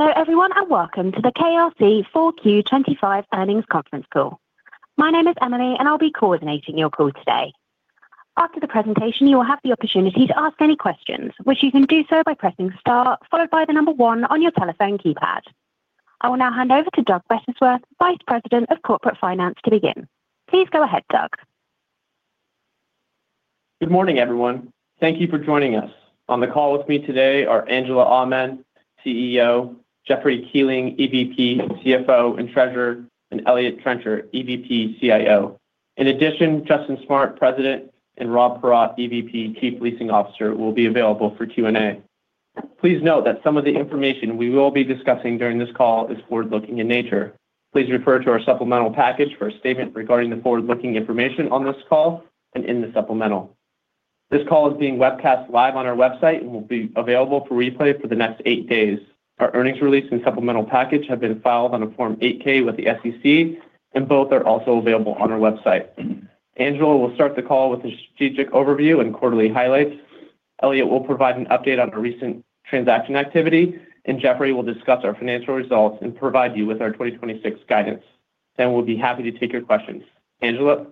Hello everyone and welcome to the KRC 4Q25 earnings conference call. My name is Emily and I'll be coordinating your call today. After the presentation you will have the opportunity to ask any questions, which you can do so by pressing star followed by the number 1 on your telephone keypad. I will now hand over to Doug Bettisworth, Vice President of Corporate Finance, to begin. Please go ahead, Doug. Good morning everyone. Thank you for joining us. On the call with me today are Angela Aman, CEO; Jeffrey Kuehling, EVP, CFO and Treasurer; and Eliott Trencher, EVP, CIO. In addition, Justin Smart, President; and Rob Paratte, EVP, Chief Leasing Officer, will be available for Q&A. Please note that some of the information we will be discussing during this call is forward-looking in nature. Please refer to our supplemental package for a statement regarding the forward-looking information on this call and in the supplemental. This call is being webcast live on our website and will be available for replay for the next 8 days. Our earnings release and supplemental package have been filed on a Form 8-K with the SEC, and both are also available on our website. Angela will start the call with a strategic overview and quarterly highlights. Eliott will provide an update on our recent transaction activity. Jeffrey will discuss our financial results and provide you with our 2026 guidance. We'll be happy to take your questions. Angela?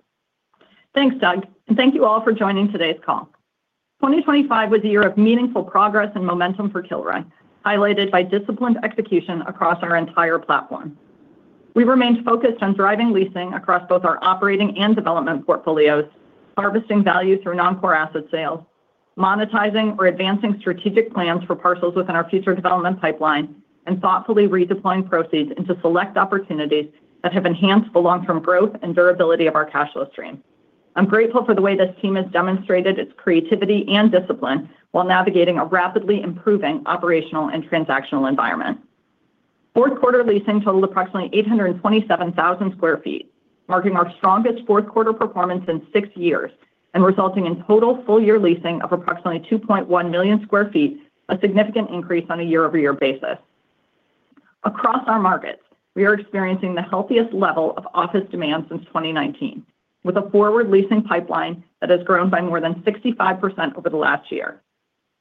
Thanks, Doug. And thank you all for joining today's call. 2025 was a year of meaningful progress and momentum for Kilroy, highlighted by disciplined execution across our entire platform. We've remained focused on driving leasing across both our operating and development portfolios, harvesting value through non-core asset sales, monetizing or advancing strategic plans for parcels within our future development pipeline, and thoughtfully redeploying proceeds into select opportunities that have enhanced the long-term growth and durability of our cash flow stream. I'm grateful for the way this team has demonstrated its creativity and discipline while navigating a rapidly improving operational and transactional environment. Fourth quarter leasing totaled approximately 827,000 sq ft, marking our strongest fourth quarter performance in six years and resulting in total full-year leasing of approximately 2.1 million sq ft, a significant increase on a year-over-year basis. Across our markets, we are experiencing the healthiest level of office demand since 2019, with a forward leasing pipeline that has grown by more than 65% over the last year.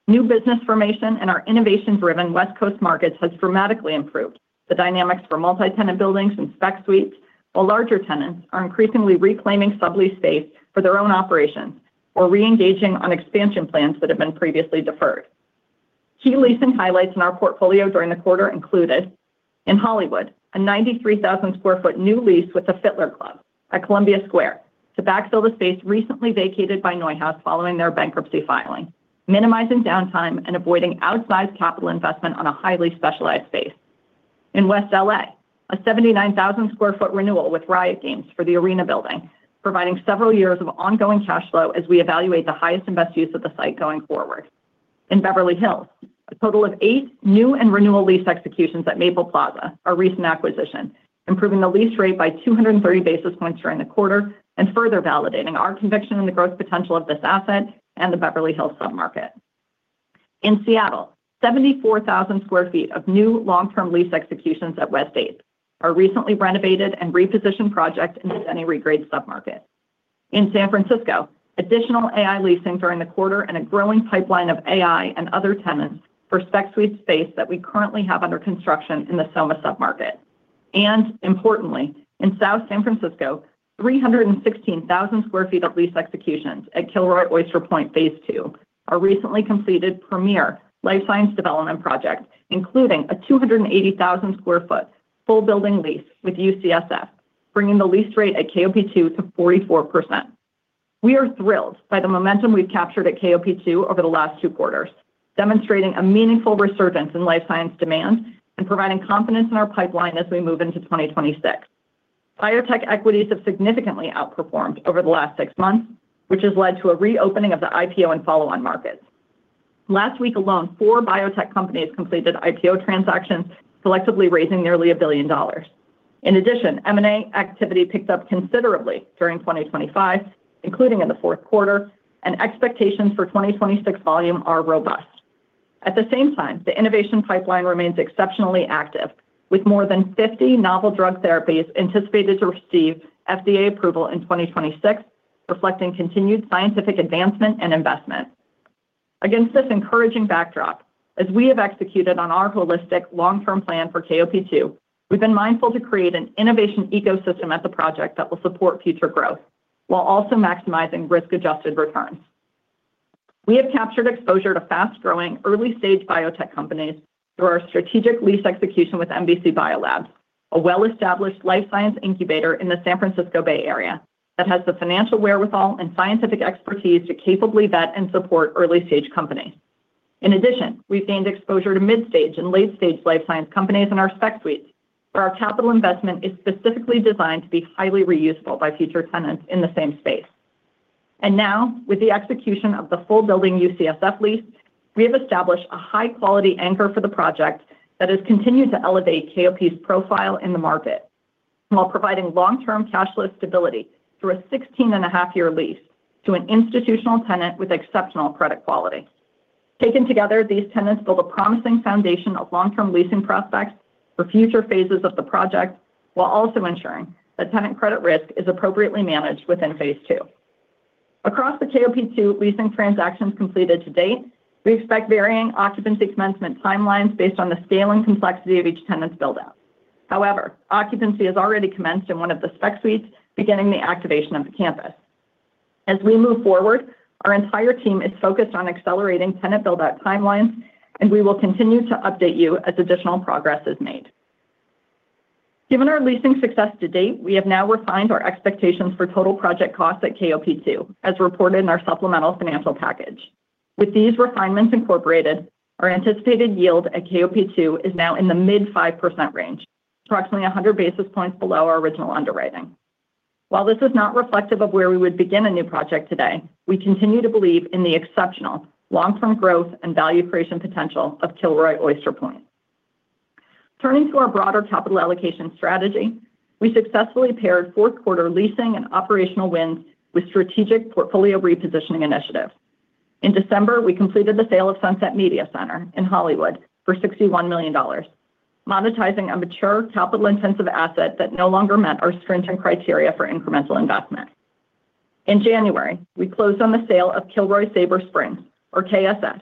New business formation in our innovation-driven West Coast markets has dramatically improved the dynamics for multi-tenant buildings and spec suites, while larger tenants are increasingly reclaiming sublease space for their own operations or re-engaging on expansion plans that have been previously deferred. Key leasing highlights in our portfolio during the quarter included: in Hollywood, a 93,000 sq ft new lease with the Fitler Club at Columbia Square to backfill the space recently vacated by NeueHouse following their bankruptcy filing, minimizing downtime and avoiding outsized capital investment on a highly specialized space. In West LA, a 79,000 sq ft renewal with Riot Games for the Arena building, providing several years of ongoing cash flow as we evaluate the highest invest use of the site going forward. In Beverly Hills, a total of eight new and renewal lease executions at Maple Plaza are recent acquisition, improving the lease rate by 230 basis points during the quarter and further validating our conviction in the growth potential of this asset and the Beverly Hills submarket. In Seattle, 74,000 sq ft of new long-term lease executions at West 8th are recently renovated and repositioned project in the Denny Regrade submarket. In San Francisco, additional AI leasing during the quarter and a growing pipeline of AI and other tenants for spec suite space that we currently have under construction in the SoMa submarket. Importantly, in South San Francisco, 316,000 sq ft of lease executions at Kilroy Oyster Point Phase Two, a recently completed premier life science development project, including a 280,000 sq ft full building lease with UCSF, bringing the lease rate at KOP2 to 44%. We are thrilled by the momentum we've captured at KOP2 over the last 2 quarters, demonstrating a meaningful resurgence in life science demand and providing confidence in our pipeline as we move into 2026. Biotech equities have significantly outperformed over the last 6 months, which has led to a reopening of the IPO and follow-on markets. Last week alone, 4 biotech companies completed IPO transactions, collectively raising nearly $1 billion. In addition, M&A activity picked up considerably during 2025, including in the fourth quarter, and expectations for 2026 volume are robust. At the same time, the innovation pipeline remains exceptionally active, with more than 50 novel drug therapies anticipated to receive FDA approval in 2026, reflecting continued scientific advancement and investment. Against this encouraging backdrop, as we have executed on our holistic long-term plan for KOP2, we've been mindful to create an innovation ecosystem at the project that will support future growth while also maximizing risk-adjusted returns. We have captured exposure to fast-growing, early-stage biotech companies through our strategic lease execution with MBC BioLabs, a well-established life science incubator in the San Francisco Bay Area that has the financial wherewithal and scientific expertise to capably vet and support early-stage companies. In addition, we've gained exposure to mid-stage and late-stage life science companies in our spec suites, where our capital investment is specifically designed to be highly reusable by future tenants in the same space. Now, with the execution of the full building UCSF lease, we have established a high-quality anchor for the project that has continued to elevate KOP's profile in the market while providing long-term cash flow stability through a 16.5-year lease to an institutional tenant with exceptional credit quality. Taken together, these tenants build a promising foundation of long-term leasing prospects for future phases of the project while also ensuring that tenant credit risk is appropriately managed within Phase Two. Across the KOP2 leasing transactions completed to date, we expect varying occupancy commencement timelines based on the scale and complexity of each tenant's buildout. However, occupancy has already commenced in one of the spec suites, beginning the activation of the campus. As we move forward, our entire team is focused on accelerating tenant buildout timelines, and we will continue to update you as additional progress is made. Given our leasing success to date, we have now refined our expectations for total project costs at KOP2, as reported in our supplemental financial package. With these refinements incorporated, our anticipated yield at KOP2 is now in the mid-5% range, approximately 100 basis points below our original underwriting. While this is not reflective of where we would begin a new project today, we continue to believe in the exceptional long-term growth and value creation potential of Kilroy Oyster Point. Turning to our broader capital allocation strategy, we successfully paired fourth quarter leasing and operational wins with strategic portfolio repositioning initiatives. In December, we completed the sale of Sunset Media Center in Hollywood for $61 million, monetizing a mature, capital-intensive asset that no longer met our stringent criteria for incremental investment. In January, we closed on the sale of Kilroy Sabre Springs, or KSS,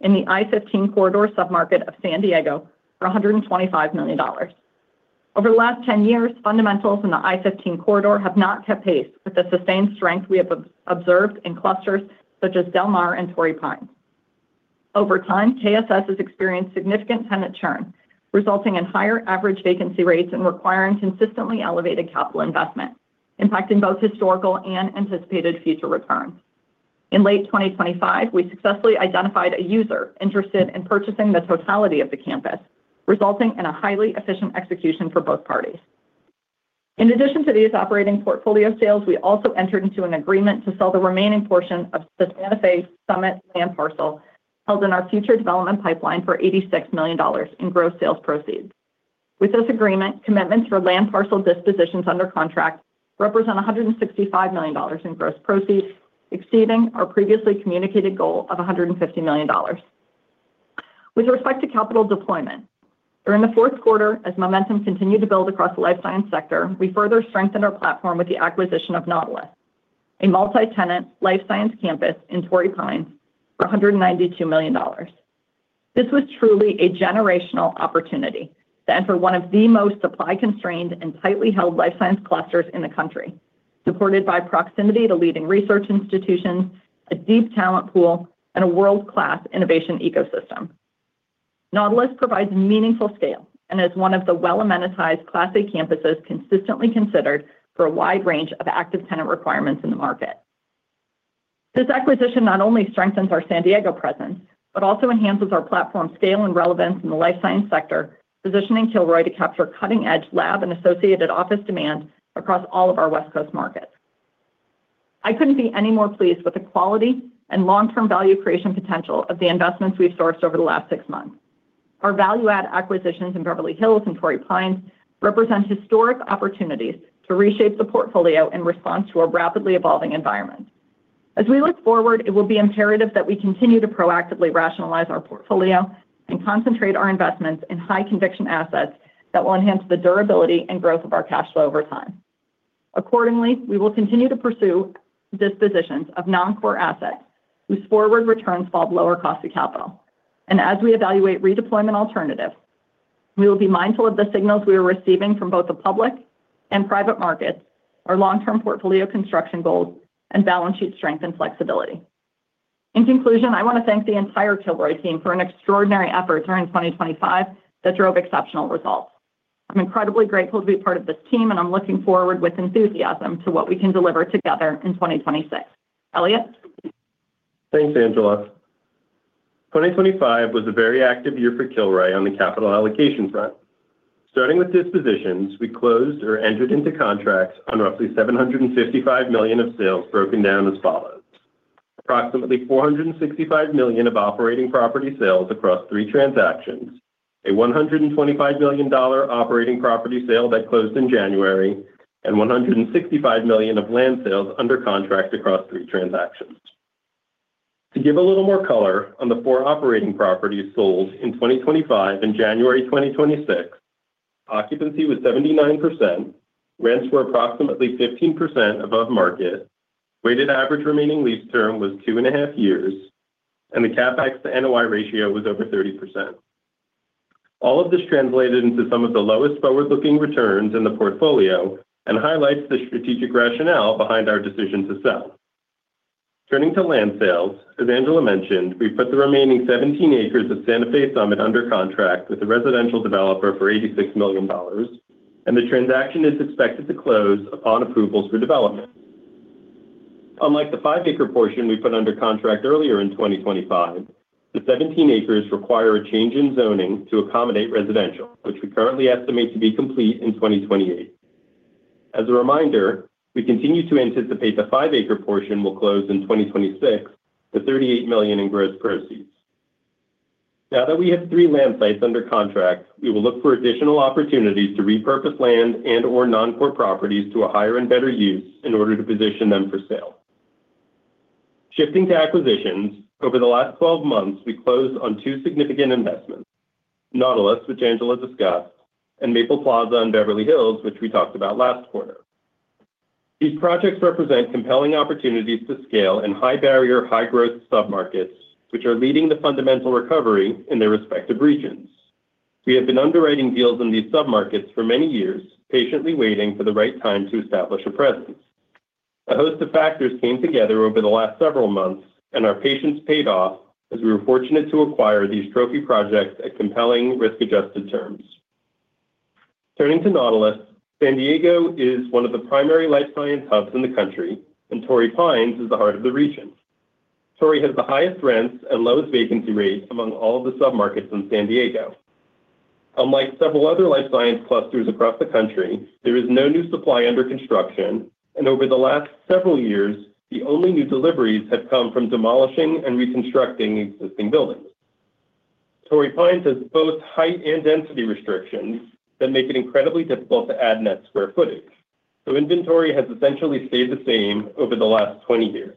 in the I-15 corridor submarket of San Diego for $125 million. Over the last 10 years, fundamentals in the I-15 corridor have not kept pace with the sustained strength we have observed in clusters such as Del Mar and Torrey Pines. Over time, KSS has experienced significant tenant churn, resulting in higher average vacancy rates and requiring consistently elevated capital investment, impacting both historical and anticipated future returns. In late 2025, we successfully identified a user interested in purchasing the totality of the campus, resulting in a highly efficient execution for both parties. In addition to these operating portfolio sales, we also entered into an agreement to sell the remaining portion of the Santa Fe Summit land parcel held in our future development pipeline for $86 million in gross sales proceeds. With this agreement, commitments for land parcel dispositions under contract represent $165 million in gross proceeds, exceeding our previously communicated goal of $150 million. With respect to capital deployment, during the fourth quarter, as momentum continued to build across the life science sector, we further strengthened our platform with the acquisition of Nautilus, a multi-tenant life science campus in Torrey Pines for $192 million. This was truly a generational opportunity to enter one of the most supply-constrained and tightly held life science clusters in the country, supported by proximity to leading research institutions, a deep talent pool, and a world-class innovation ecosystem. Nautilus provides meaningful scale and is one of the well-amortized Class A campuses consistently considered for a wide range of active tenant requirements in the market. This acquisition not only strengthens our San Diego presence but also enhances our platform's scale and relevance in the life science sector, positioning Kilroy to capture cutting-edge lab and associated office demand across all of our West Coast markets. I couldn't be any more pleased with the quality and long-term value creation potential of the investments we've sourced over the last six months. Our value-add acquisitions in Beverly Hills and Torrey Pines represent historic opportunities to reshape the portfolio in response to our rapidly evolving environment. As we look forward, it will be imperative that we continue to proactively rationalize our portfolio and concentrate our investments in high-conviction assets that will enhance the durability and growth of our cash flow over time. Accordingly, we will continue to pursue dispositions of non-core assets whose forward returns followed lower cost of capital. As we evaluate redeployment alternatives, we will be mindful of the signals we are receiving from both the public and private markets, our long-term portfolio construction goals, and balance sheet strength and flexibility. In conclusion, I want to thank the entire Kilroy team for an extraordinary effort during 2025 that drove exceptional results. I'm incredibly grateful to be part of this team, and I'm looking forward with enthusiasm to what we can deliver together in 2026. Eliott? Thanks, Angela. 2025 was a very active year for Kilroy on the capital allocation front. Starting with dispositions, we closed or entered into contracts on roughly $755 million of sales broken down as follows: approximately $465 million of operating property sales across three transactions, a $125 million operating property sale that closed in January, and $165 million of land sales under contract across three transactions. To give a little more color on the four operating properties sold in 2025 and January 2026, occupancy was 79%, rents were approximately 15% above market, weighted average remaining lease term was two and a half years, and the CapEx to NOI ratio was over 30%. All of this translated into some of the lowest forward-looking returns in the portfolio and highlights the strategic rationale behind our decision to sell. Turning to land sales, as Angela mentioned, we put the remaining 17 acres of Santa Fe Summit under contract with a residential developer for $86 million, and the transaction is expected to close upon approvals for development. Unlike the five-acre portion we put under contract earlier in 2025, the 17 acres require a change in zoning to accommodate residential, which we currently estimate to be complete in 2028. As a reminder, we continue to anticipate the five-acre portion will close in 2026 to $38 million in gross proceeds. Now that we have three land sites under contract, we will look for additional opportunities to repurpose land and/or non-core properties to a higher and better use in order to position them for sale. Shifting to acquisitions, over the last 12 months, we closed on two significant investments: Nautilus, which Angela discussed, and Maple Plaza in Beverly Hills, which we talked about last quarter. These projects represent compelling opportunities to scale in high-barrier, high-growth submarkets, which are leading the fundamental recovery in their respective regions. We have been underwriting deals in these submarkets for many years, patiently waiting for the right time to establish a presence. A host of factors came together over the last several months, and our patience paid off as we were fortunate to acquire these trophy projects at compelling, risk-adjusted terms. Turning to Nautilus, San Diego is one of the primary life science hubs in the country, and Torrey Pines is the heart of the region. Torrey has the highest rents and lowest vacancy rate among all of the submarkets in San Diego. Unlike several other life science clusters across the country, there is no new supply under construction, and over the last several years, the only new deliveries have come from demolishing and reconstructing existing buildings. Torrey Pines has both height and density restrictions that make it incredibly difficult to add net square footage, so inventory has essentially stayed the same over the last 20 years.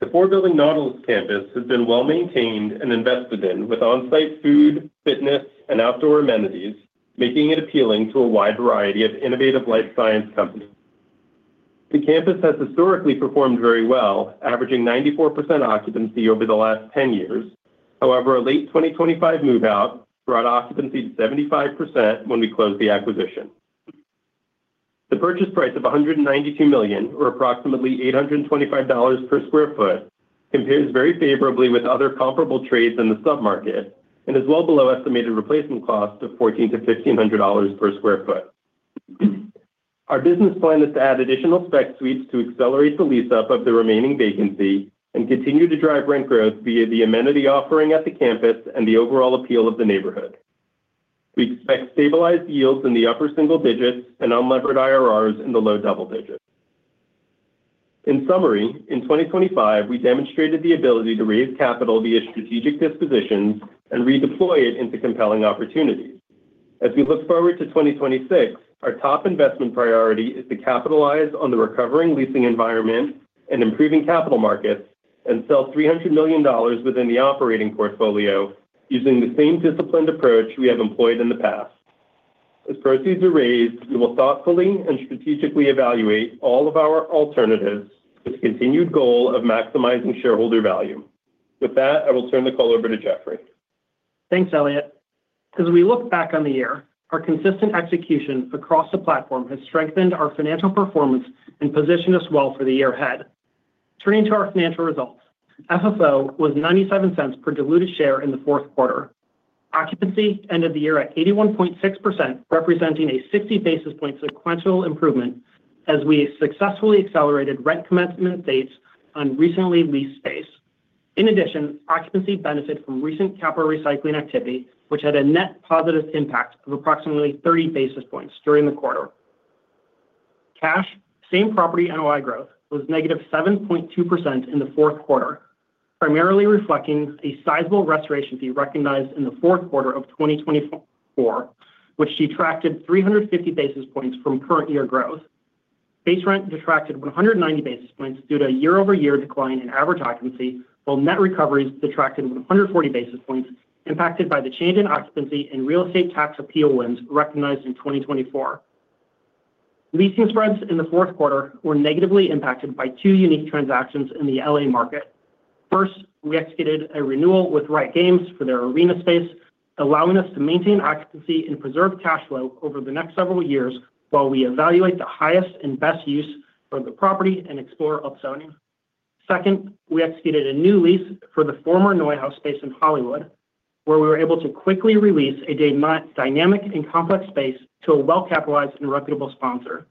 The four-building Nautilus campus has been well-maintained and invested in, with on-site food, fitness, and outdoor amenities, making it appealing to a wide variety of innovative life science companies. The campus has historically performed very well, averaging 94% occupancy over the last 10 years. However, a late 2025 move-out brought occupancy to 75% when we closed the acquisition. The purchase price of $192 million, or approximately $825 per sq ft, compares very favorably with other comparable trades in the submarket and is well below estimated replacement costs of $1,400-$1,500 per sq ft. Our business plan is to add additional spec suites to accelerate the lease-up of the remaining vacancy and continue to drive rent growth via the amenity offering at the campus and the overall appeal of the neighborhood. We expect stabilized yields in the upper single digits and unlevered IRRs in the low double digits. In summary, in 2025, we demonstrated the ability to raise capital via strategic dispositions and redeploy it into compelling opportunities. As we look forward to 2026, our top investment priority is to capitalize on the recovering leasing environment and improving capital markets and sell $300 million within the operating portfolio using the same disciplined approach we have employed in the past. As proceeds are raised, we will thoughtfully and strategically evaluate all of our alternatives with the continued goal of maximizing shareholder value. With that, I will turn the call over to Jeffrey. Thanks, Eliott. As we look back on the year, our consistent execution across the platform has strengthened our financial performance and positioned us well for the year ahead. Turning to our financial results, FFO was $0.97 per diluted share in the fourth quarter. Occupancy ended the year at 81.6%, representing a 60 basis point sequential improvement as we successfully accelerated rent commencement dates on recently leased space. In addition, occupancy benefited from recent capital recycling activity, which had a net positive impact of approximately 30 basis points during the quarter. Cash same-property NOI growth was negative 7.2% in the fourth quarter, primarily reflecting a sizable restoration fee recognized in the fourth quarter of 2024, which detracted 350 basis points from current year growth. Base rent detracted 190 basis points due to a year-over-year decline in average occupancy, while net recoveries detracted 140 basis points, impacted by the change in occupancy and real estate tax appeal wins recognized in 2024. Leasing spreads in the fourth quarter were negatively impacted by two unique transactions in the LA market. First, we executed a renewal with Riot Games for their arena space, allowing us to maintain occupancy and preserve cash flow over the next several years while we evaluate the highest and best use for the property and explore upzoning. Second, we executed a new lease for the former NeueHouse space in Hollywood, where we were able to quickly release a dynamic and complex space to a well-capitalized and reputable sponsor.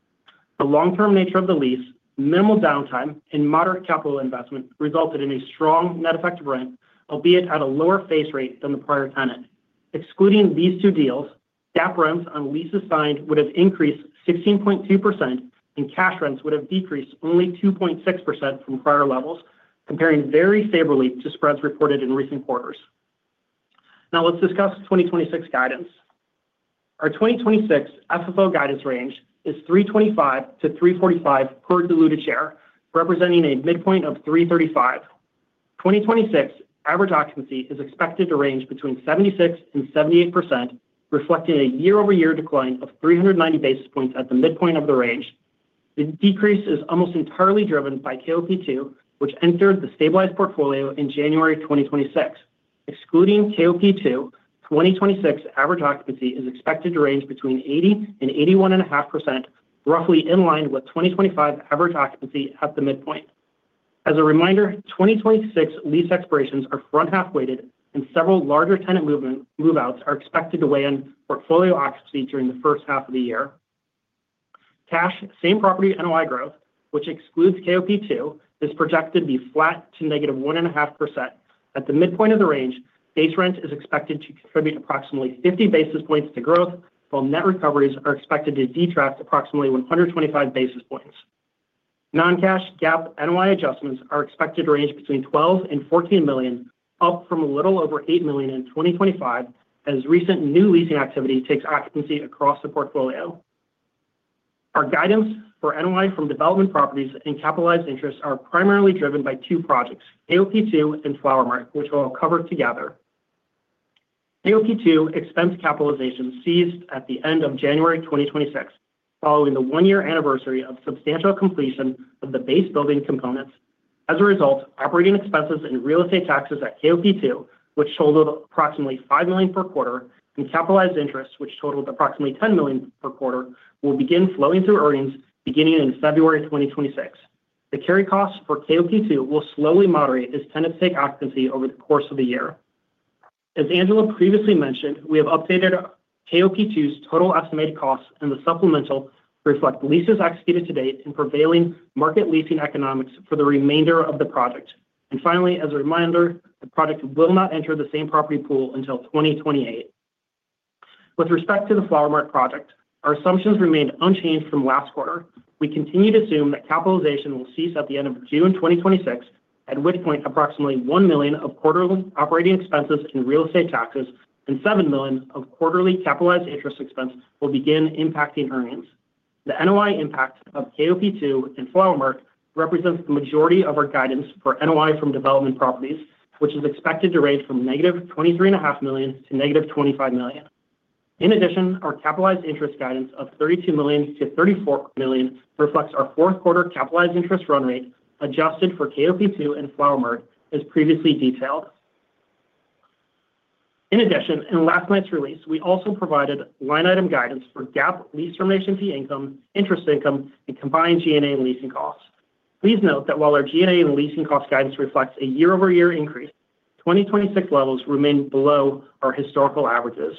The long-term nature of the lease, minimal downtime, and moderate capital investment resulted in a strong net effect of rent, albeit at a lower face rate than the prior tenant. Excluding these two deals, GAAP rents on leases signed would have increased 16.2%, and cash rents would have decreased only 2.6% from prior levels, comparing very favorably to spreads reported in recent quarters. Now, let's discuss 2026 guidance. Our 2026 FFO guidance range is $3.25-$3.45 per diluted share, representing a midpoint of $3.35. 2026 average occupancy is expected to range between 76%-78%, reflecting a year-over-year decline of 390 basis points at the midpoint of the range. The decrease is almost entirely driven by KOP2, which entered the stabilized portfolio in January 2026. Excluding KOP2, 2026 average occupancy is expected to range between 80% and 81.5%, roughly in line with 2025 average occupancy at the midpoint. As a reminder, 2026 lease expirations are front-half weighted, and several larger tenant move-outs are expected to weigh in portfolio occupancy during the first half of the year. Cash same-property NOI growth, which excludes KOP2, is projected to be flat to -1.5%. At the midpoint of the range, base rent is expected to contribute approximately 50 basis points to growth, while net recoveries are expected to detract approximately 125 basis points. Non-cash GAAP NOI adjustments are expected to range between $12 million and $14 million, up from a little over $8 million in 2025 as recent new leasing activity takes occupancy across the portfolio. Our guidance for NOI from development properties and capitalized interests are primarily driven by two projects, KOP2 and Flower Mart, which we'll cover together. KOP2 expense capitalization ceases at the end of January 2026, following the one-year anniversary of substantial completion of the base building components. As a result, operating expenses and real estate taxes at KOP2, which totaled approximately $5 million per quarter, and capitalized interest, which totaled approximately $10 million per quarter, will begin flowing through earnings beginning in February 2026. The carry costs for KOP2 will slowly moderate as tenants take occupancy over the course of the year. As Angela previously mentioned, we have updated KOP2's total estimated costs and the supplemental to reflect leases executed to date and prevailing market leasing economics for the remainder of the project. Finally, as a reminder, the project will not enter the same property pool until 2028. With respect to the Flower Mart project, our assumptions remained unchanged from last quarter. We continue to assume that capitalization will cease at the end of June 2026, at which point approximately $1 million of quarterly operating expenses and real estate taxes and $7 million of quarterly capitalized interest expense will begin impacting earnings. The NOI impact of KOP2 and Flower Mart represents the majority of our guidance for NOI from development properties, which is expected to range from -$23.5 million to -$25 million. In addition, our capitalized interest guidance of $32 million-$34 million reflects our fourth quarter capitalized interest run rate adjusted for KOP2 and Flower Mart, as previously detailed. In addition, in last night's release, we also provided line item guidance for GAAP lease termination fee income, interest income, and combined G&A and leasing costs. Please note that while our G&A and leasing costs guidance reflects a year-over-year increase, 2026 levels remain below our historical averages.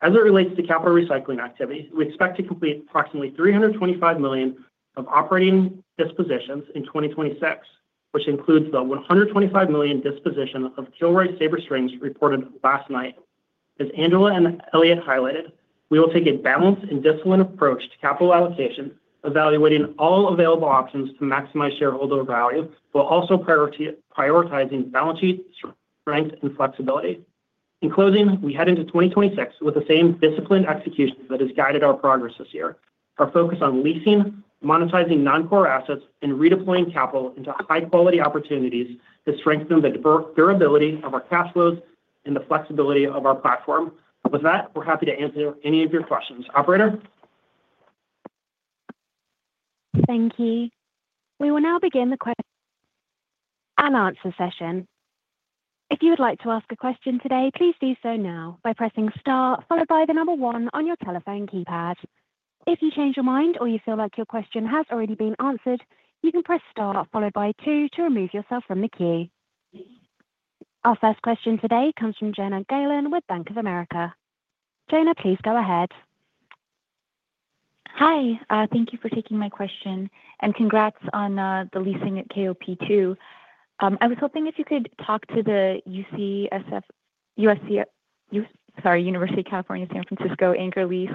As it relates to capital recycling activity, we expect to complete approximately $325 million of operating dispositions in 2026, which includes the $125 million disposition of Kilroy Sabre Springs reported last night. As Angela and Eliott highlighted, we will take a balanced and disciplined approach to capital allocation, evaluating all available options to maximize shareholder value while also prioritizing balance sheet strength and flexibility. In closing, we head into 2026 with the same disciplined execution that has guided our progress this year, our focus on leasing, monetizing non-core assets, and redeploying capital into high-quality opportunities to strengthen the durability of our cash flows and the flexibility of our platform. With that, we're happy to answer any of your questions. Operator? Thank you. We will now begin the question and answer session. If you would like to ask a question today, please do so now by pressing star followed by the number one on your telephone keypad. If you change your mind or you feel like your question has already been answered, you can press star followed by two to remove yourself from the queue. Our first question today comes from Jenna Galen with Bank of America. Jenna, please go ahead. Hi. Thank you for taking my question, and congrats on the leasing at KOP2. I was hoping if you could talk to the USC, sorry, University of California, San Francisco, anchor lease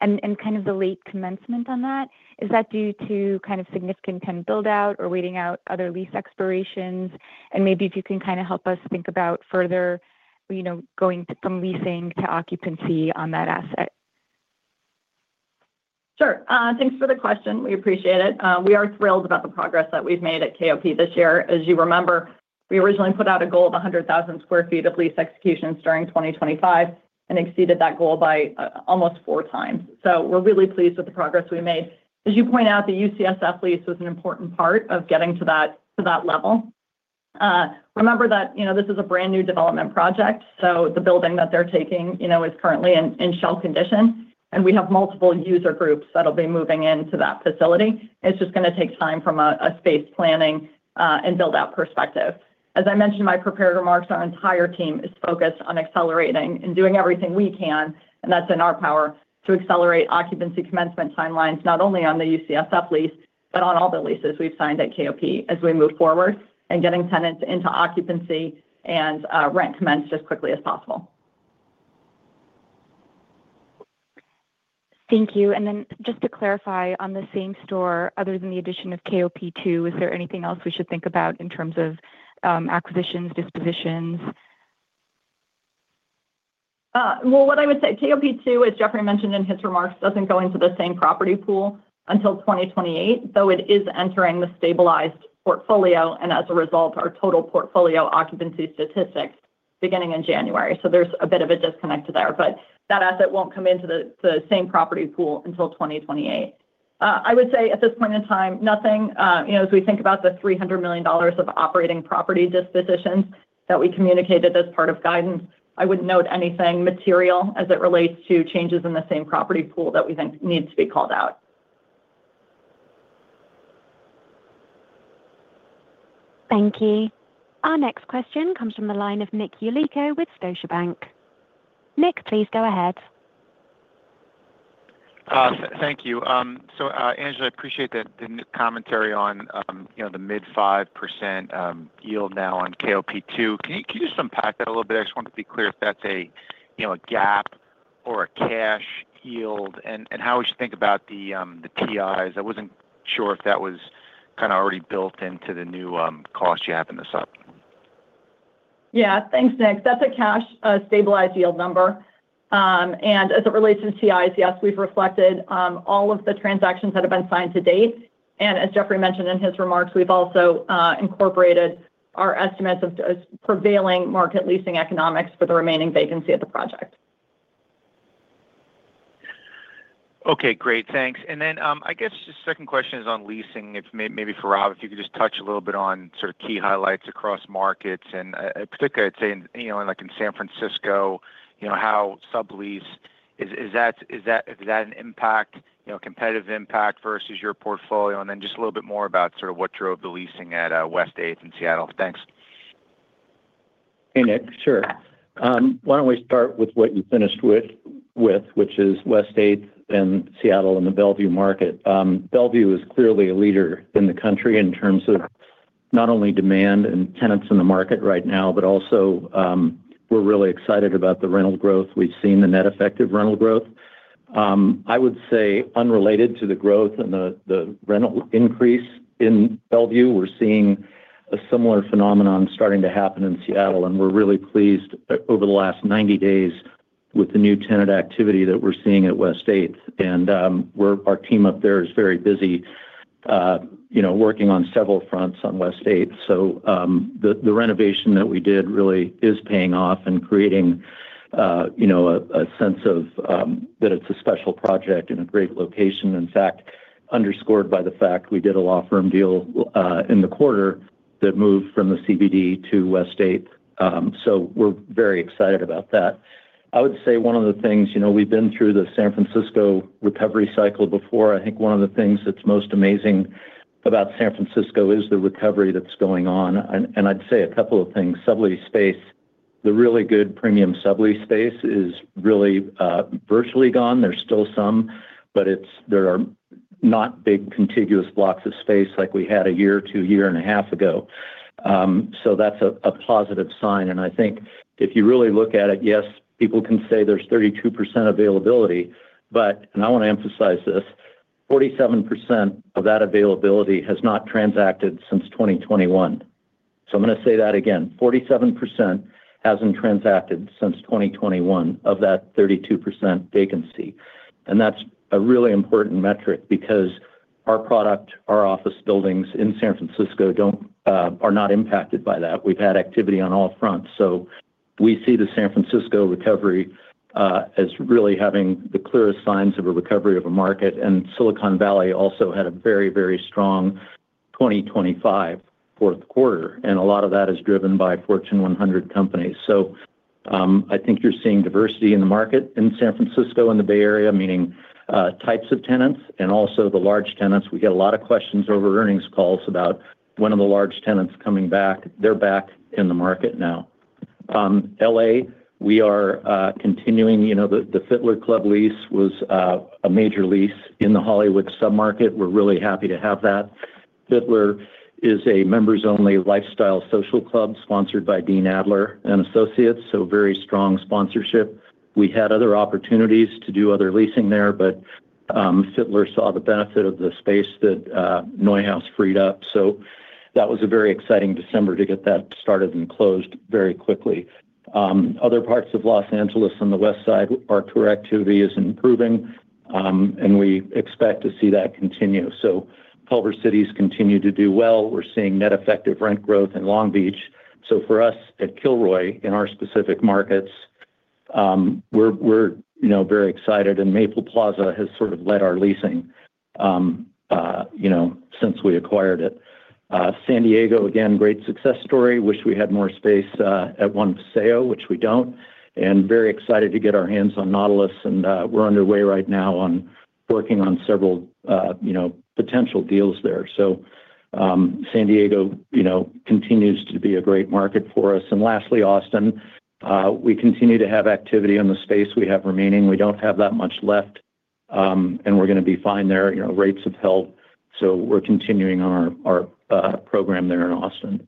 and kind of the late commencement on that. Is that due to kind of significant build-out or waiting out other lease expirations? Maybe if you can kind of help us think about further going from leasing to occupancy on that asset. Sure. Thanks for the question. We appreciate it. We are thrilled about the progress that we've made at KOP this year. As you remember, we originally put out a goal of 100,000 sq ft of lease executions during 2025 and exceeded that goal by almost four times. So we're really pleased with the progress we made. As you point out, the UCSF lease was an important part of getting to that level. Remember that this is a brand new development project, so the building that they're taking is currently in shell condition, and we have multiple user groups that'll be moving into that facility. It's just going to take time from a space planning and build-out perspective. As I mentioned in my prepared remarks, our entire team is focused on accelerating and doing everything we can, and that's in our power, to accelerate occupancy commencement timelines not only on the UCSF lease but on all the leases we've signed at KOP as we move forward and getting tenants into occupancy and rent commenced as quickly as possible. Thank you. Then just to clarify, on the same store, other than the addition of KOP2, is there anything else we should think about in terms of acquisitions, dispositions? Well, what I would say, KOP2, as Jeffrey mentioned in his remarks, doesn't go into the same property pool until 2028, though it is entering the stabilized portfolio and, as a result, our total portfolio occupancy statistics beginning in January. So there's a bit of a disconnect there, but that asset won't come into the same property pool until 2028. I would say, at this point in time, nothing. As we think about the $300 million of operating property dispositions that we communicated as part of guidance, I wouldn't note anything material as it relates to changes in the same property pool that we think needs to be called out. Thank you. Our next question comes from the line of Nick Yulico with Scotiabank. Nick, please go ahead. Thank you. So, Angela, I appreciate the commentary on the mid-5% yield now on KOP2. Can you just unpack that a little bit? I just wanted to be clear if that's a GAAP or a cash yield and how we should think about the TIs. I wasn't sure if that was kind of already built into the new cost you're having this up. Yeah. Thanks, Nick. That's a cash stabilized yield number. As it relates to TIs, yes, we've reflected all of the transactions that have been signed to date. As Jeffrey mentioned in his remarks, we've also incorporated our estimates of prevailing market leasing economics for the remaining vacancy at the project. Okay. Great. Thanks. And then I guess just the second question is on leasing. Maybe for Rob, if you could just touch a little bit on sort of key highlights across markets. And in particular, I'd say in San Francisco, how sublease is that an impact, competitive impact versus your portfolio? And then just a little bit more about sort of what drove the leasing at West 8th and Seattle. Thanks. Hey, Nick. Sure. Why don't we start with what you finished with, which is West 8th and Seattle and the Bellevue market? Bellevue is clearly a leader in the country in terms of not only demand and tenants in the market right now, but also we're really excited about the rental growth. We've seen the net effective rental growth. I would say unrelated to the growth and the rental increase in Bellevue, we're seeing a similar phenomenon starting to happen in Seattle. And we're really pleased over the last 90 days with the new tenant activity that we're seeing at West 8th. And our team up there is very busy working on several fronts on West 8th. So the renovation that we did really is paying off and creating a sense that it's a special project in a great location, in fact, underscored by the fact we did a law firm deal in the quarter that moved from the CBD to West 8th. So we're very excited about that. I would say one of the things we've been through the San Francisco recovery cycle before. I think one of the things that's most amazing about San Francisco is the recovery that's going on. And I'd say a couple of things. Sublease space, the really good premium sublease space is really virtually gone. There's still some, but there are not big contiguous blocks of space like we had a year, two, year and a half ago. So that's a positive sign. I think if you really look at it, yes, people can say there's 32% availability, but, and I want to emphasize this, 47% of that availability has not transacted since 2021. So I'm going to say that again. 47% hasn't transacted since 2021 of that 32% vacancy. That's a really important metric because our product, our office buildings in San Francisco are not impacted by that. We've had activity on all fronts. So we see the San Francisco recovery as really having the clearest signs of a recovery of a market. Silicon Valley also had a very, very strong 2025 fourth quarter. A lot of that is driven by Fortune 100 companies. So I think you're seeing diversity in the market in San Francisco and the Bay Area, meaning types of tenants and also the large tenants. We get a lot of questions over earnings calls about when are the large tenants coming back? They're back in the market now. LA, we are continuing. The Fitler Club lease was a major lease in the Hollywood submarket. We're really happy to have that. Fitler is a members-only lifestyle social club sponsored by Dean Adler and Associates, so very strong sponsorship. We had other opportunities to do other leasing there, but Fitler saw the benefit of the space that NeueHouse freed up. So that was a very exciting December to get that started and closed very quickly. Other parts of Los Angeles on the West Side, our tour activity is improving, and we expect to see that continue. So Culver City's continued to do well. We're seeing net effective rent growth in Long Beach. So for us at Kilroy in our specific markets, we're very excited. And Maple Plaza has sort of led our leasing since we acquired it. San Diego, again, great success story. Wish we had more space at One Paseo, which we don't. And very excited to get our hands on Nautilus. And we're underway right now working on several potential deals there. So San Diego continues to be a great market for us. And lastly, Austin. We continue to have activity in the space we have remaining. We don't have that much left, and we're going to be fine there. Rates have held, so we're continuing on our program there in Austin.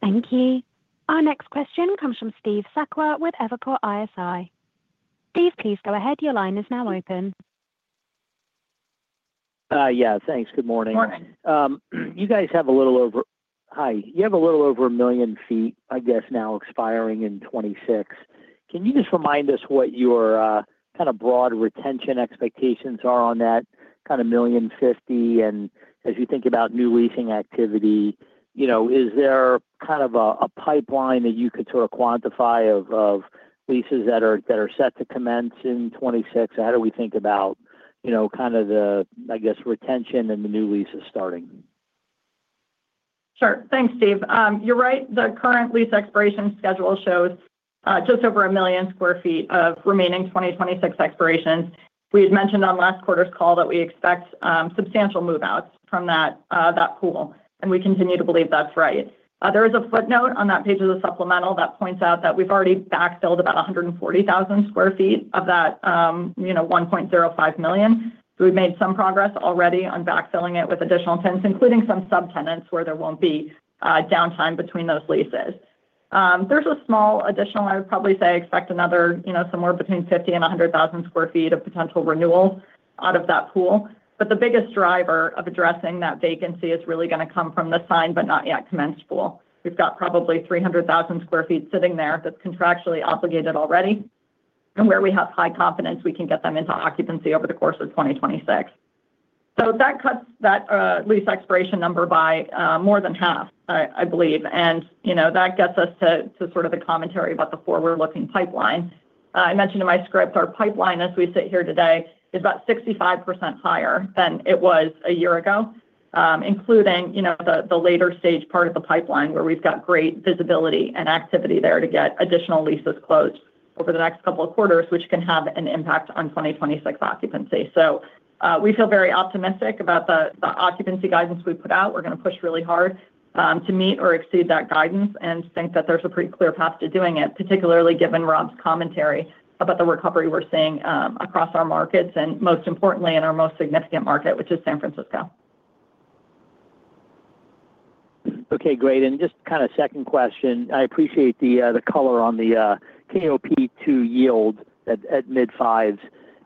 Thank you. Our next question comes from Steve Sakwa with Evercore ISI. Steve, please go ahead. Your line is now open. Yeah. Thanks. Good morning. Good morning. You guys have a little over a million sq ft, I guess, now expiring in 2026. Can you just remind us what your kind of broad retention expectations are on that kind of 1.05 million? And as you think about new leasing activity, is there kind of a pipeline that you could sort of quantify of leases that are set to commence in 2026? How do we think about kind of the, I guess, retention and the new leases starting? Sure. Thanks, Steve. You're right. The current lease expiration schedule shows just over 1 million sq ft of remaining 2026 expirations. We had mentioned on last quarter's call that we expect substantial move-outs from that pool, and we continue to believe that's right. There is a footnote on that page of the supplemental that points out that we've already backfilled about 140,000 sq ft of that 1.05 million. So we've made some progress already on backfilling it with additional tenants, including some subtenants where there won't be downtime between those leases. There's a small additional I would probably say expect another somewhere between 50,000-100,000 sq ft of potential renewals out of that pool. But the biggest driver of addressing that vacancy is really going to come from the signed but not yet commenced pool. We've got probably 300,000 sq ft sitting there that's contractually obligated already, and where we have high confidence we can get them into occupancy over the course of 2026. So that cuts that lease expiration number by more than half, I believe. And that gets us to sort of the commentary about the forward-looking pipeline. I mentioned in my script, our pipeline as we sit here today is about 65% higher than it was a year ago, including the later stage part of the pipeline where we've got great visibility and activity there to get additional leases closed over the next couple of quarters, which can have an impact on 2026 occupancy. So we feel very optimistic about the occupancy guidance we put out. We're going to push really hard to meet or exceed that guidance and think that there's a pretty clear path to doing it, particularly given Rob's commentary about the recovery we're seeing across our markets and, most importantly, in our most significant market, which is San Francisco. Okay. Great. And just kind of second question. I appreciate the color on the KOP2 yield at mid-5%.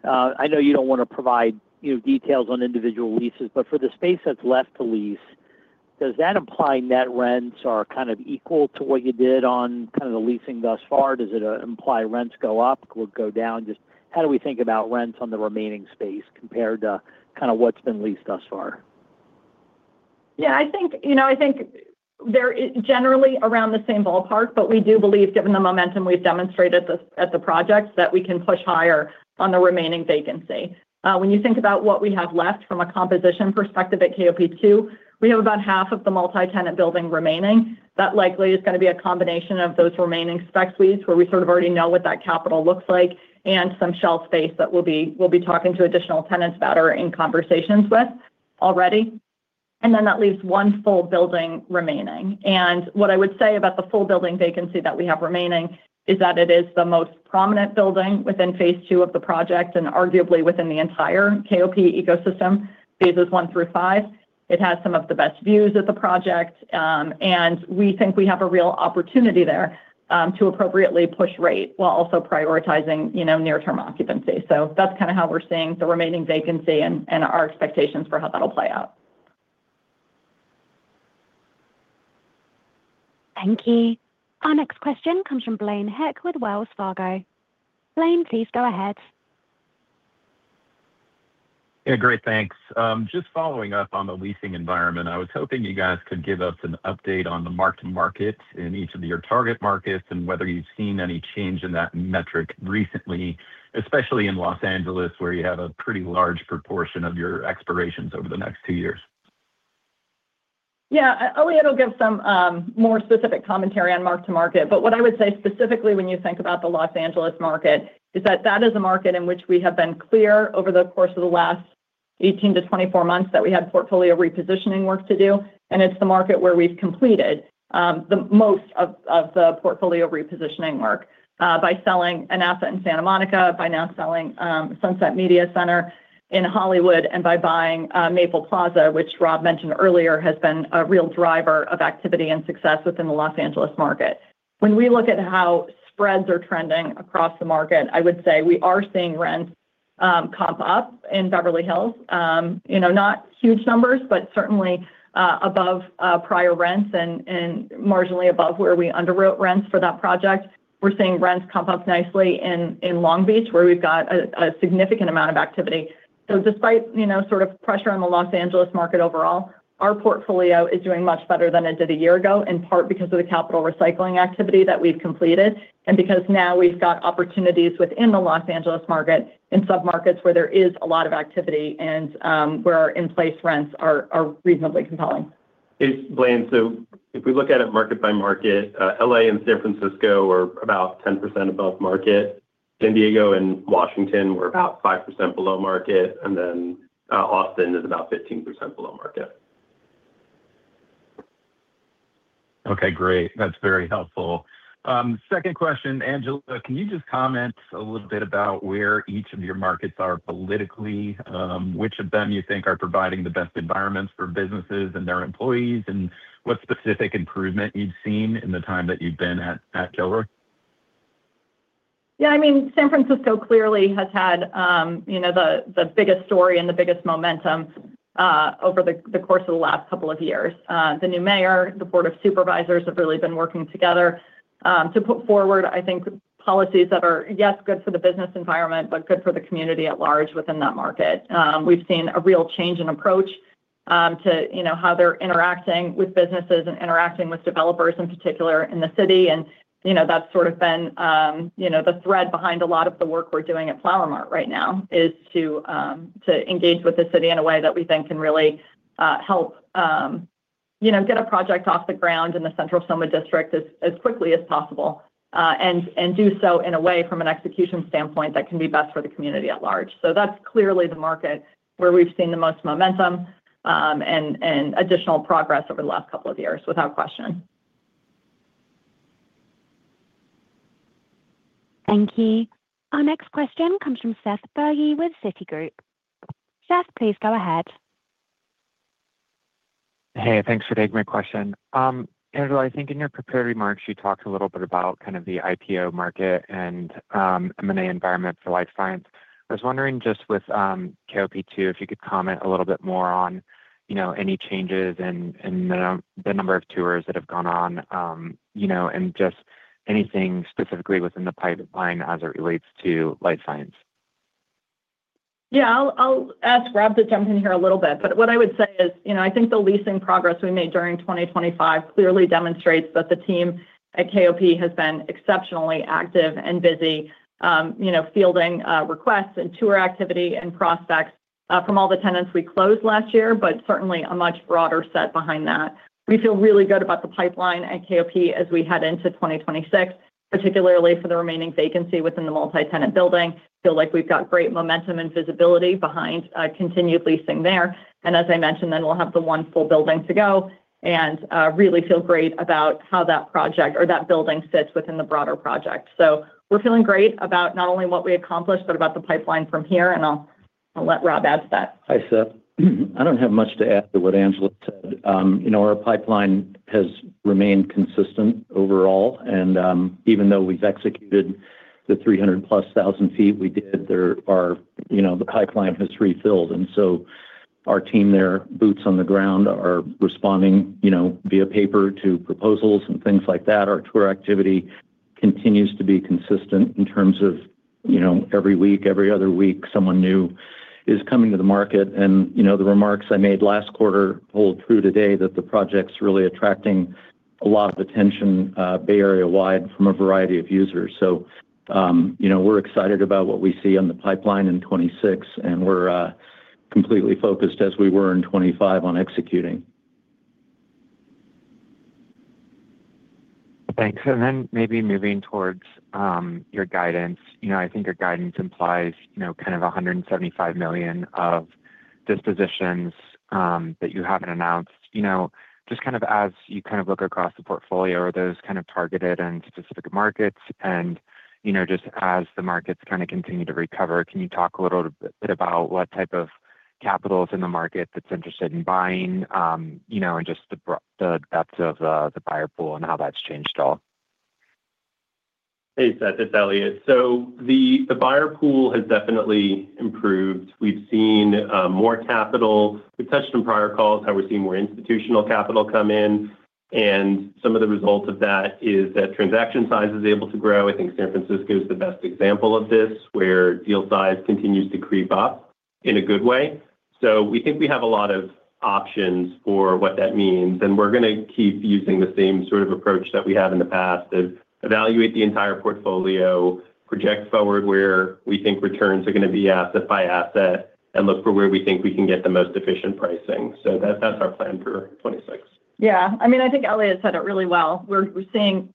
I know you don't want to provide details on individual leases, but for the space that's left to lease, does that imply net rents are kind of equal to what you did on kind of the leasing thus far? Does it imply rents go up or go down? How do we think about rents on the remaining space compared to kind of what's been leased thus far? Yeah. I think they're generally around the same ballpark, but we do believe, given the momentum we've demonstrated at the projects, that we can push higher on the remaining vacancy. When you think about what we have left from a composition perspective at KOP2, we have about half of the multi-tenant building remaining. That likely is going to be a combination of those remaining spec suites where we sort of already know what that capital looks like and some shell space that we'll be talking to additional tenants about or in conversations with already. And then that leaves one full building remaining. And what I would say about the full building vacancy that we have remaining is that it is the most prominent building within phase two of the project and arguably within the entire KOP ecosystem, phases one through five. It has some of the best views at the project, and we think we have a real opportunity there to appropriately push rate while also prioritizing near-term occupancy. So that's kind of how we're seeing the remaining vacancy and our expectations for how that'll play out. Thank you. Our next question comes from Blaine Heck with Wells Fargo. Blaine, please go ahead. Yeah. Great. Thanks. Just following up on the leasing environment, I was hoping you guys could give us an update on the mark-to-market in each of your target markets and whether you've seen any change in that metric recently, especially in Los Angeles where you have a pretty large proportion of your expirations over the next two years? Yeah. Oh, yeah. It'll give some more specific commentary on mark-to-market. But what I would say specifically when you think about the Los Angeles market is that that is a market in which we have been clear over the course of the last 18-24 months that we had portfolio repositioning work to do. And it's the market where we've completed the most of the portfolio repositioning work by selling an asset in Santa Monica, by now selling Sunset Media Center in Hollywood, and by buying Maple Plaza, which Rob mentioned earlier has been a real driver of activity and success within the Los Angeles market. When we look at how spreads are trending across the market, I would say we are seeing rents comp up in Beverly Hills. Not huge numbers, but certainly above prior rents and marginally above where we underwrote rents for that project. We're seeing rents comp up nicely in Long Beach where we've got a significant amount of activity. So despite sort of pressure on the Los Angeles market overall, our portfolio is doing much better than it did a year ago, in part because of the capital recycling activity that we've completed and because now we've got opportunities within the Los Angeles market in submarkets where there is a lot of activity and where in-place rents are reasonably compelling. Blaine, so if we look at it market by market, LA and San Francisco are about 10% above market. San Diego and Washington were about 5% below market. And then Austin is about 15% below market. Okay. Great. That's very helpful. Second question, Angela, can you just comment a little bit about where each of your markets are politically? Which of them you think are providing the best environments for businesses and their employees? And what specific improvement you've seen in the time that you've been at Kilroy? Yeah. I mean, San Francisco clearly has had the biggest story and the biggest momentum over the course of the last couple of years. The new mayor, the board of supervisors have really been working together to put forward, I think, policies that are, yes, good for the business environment but good for the community at large within that market. We've seen a real change in approach to how they're interacting with businesses and interacting with developers, in particular, in the city. That's sort of been the thread behind a lot of the work we're doing at Flower Mart right now, is to engage with the city in a way that we think can really help get a project off the ground in the Central SoMa District as quickly as possible and do so in a way from an execution standpoint that can be best for the community at large. So that's clearly the market where we've seen the most momentum and additional progress over the last couple of years, without question. Thank you. Our next question comes from Seth Burgie with Citigroup. Seth, please go ahead. Hey. Thanks for taking my question. Angela, I think in your prepared remarks, you talked a little bit about kind of the IPO market and M&A environment for Life Science. I was wondering just with KOP2 if you could comment a little bit more on any changes in the number of tours that have gone on and just anything specifically within the pipeline as it relates to Life Science. Yeah. I'll ask Rob to jump in here a little bit. But what I would say is I think the leasing progress we made during 2025 clearly demonstrates that the team at KOP has been exceptionally active and busy fielding requests and tour activity and prospects from all the tenants we closed last year, but certainly a much broader set behind that. We feel really good about the pipeline at KOP as we head into 2026, particularly for the remaining vacancy within the multi-tenant building. Feel like we've got great momentum and visibility behind continued leasing there. And as I mentioned, then we'll have the one full building to go and really feel great about how that project or that building sits within the broader project. So we're feeling great about not only what we accomplished but about the pipeline from here. And I'll let Rob add to that. Hi, Seth. I don't have much to add to what Angela said. Our pipeline has remained consistent overall. Even though we've executed the 300,000+ sq ft we did, the pipeline has refilled. So our team there, boots on the ground, are responding via paper to proposals and things like that. Our tour activity continues to be consistent in terms of every week, every other week, someone new is coming to the market. The remarks I made last quarter hold true today that the project's really attracting a lot of attention Bay Area-wide from a variety of users. We're excited about what we see on the pipeline in 2026, and we're completely focused as we were in 2025 on executing. Thanks. Then maybe moving towards your guidance. I think your guidance implies kind of $175 million of dispositions that you haven't announced. Just kind of as you kind of look across the portfolio, are those kind of targeted and specific markets? And just as the markets kind of continue to recover, can you talk a little bit about what type of capital's in the market that's interested in buying and just the depth of the buyer pool and how that's changed at all? Hey, Seth. It's Eliott. So the buyer pool has definitely improved. We've seen more capital. We've touched on prior calls how we're seeing more institutional capital come in. And some of the results of that is that transaction size is able to grow. I think San Francisco is the best example of this where deal size continues to creep up in a good way. So we think we have a lot of options for what that means. And we're going to keep using the same sort of approach that we have in the past of evaluate the entire portfolio, project forward where we think returns are going to be asset by asset, and look for where we think we can get the most efficient pricing. So that's our plan for 2026. Yeah. I mean, I think Eliott said it really well. We're seeing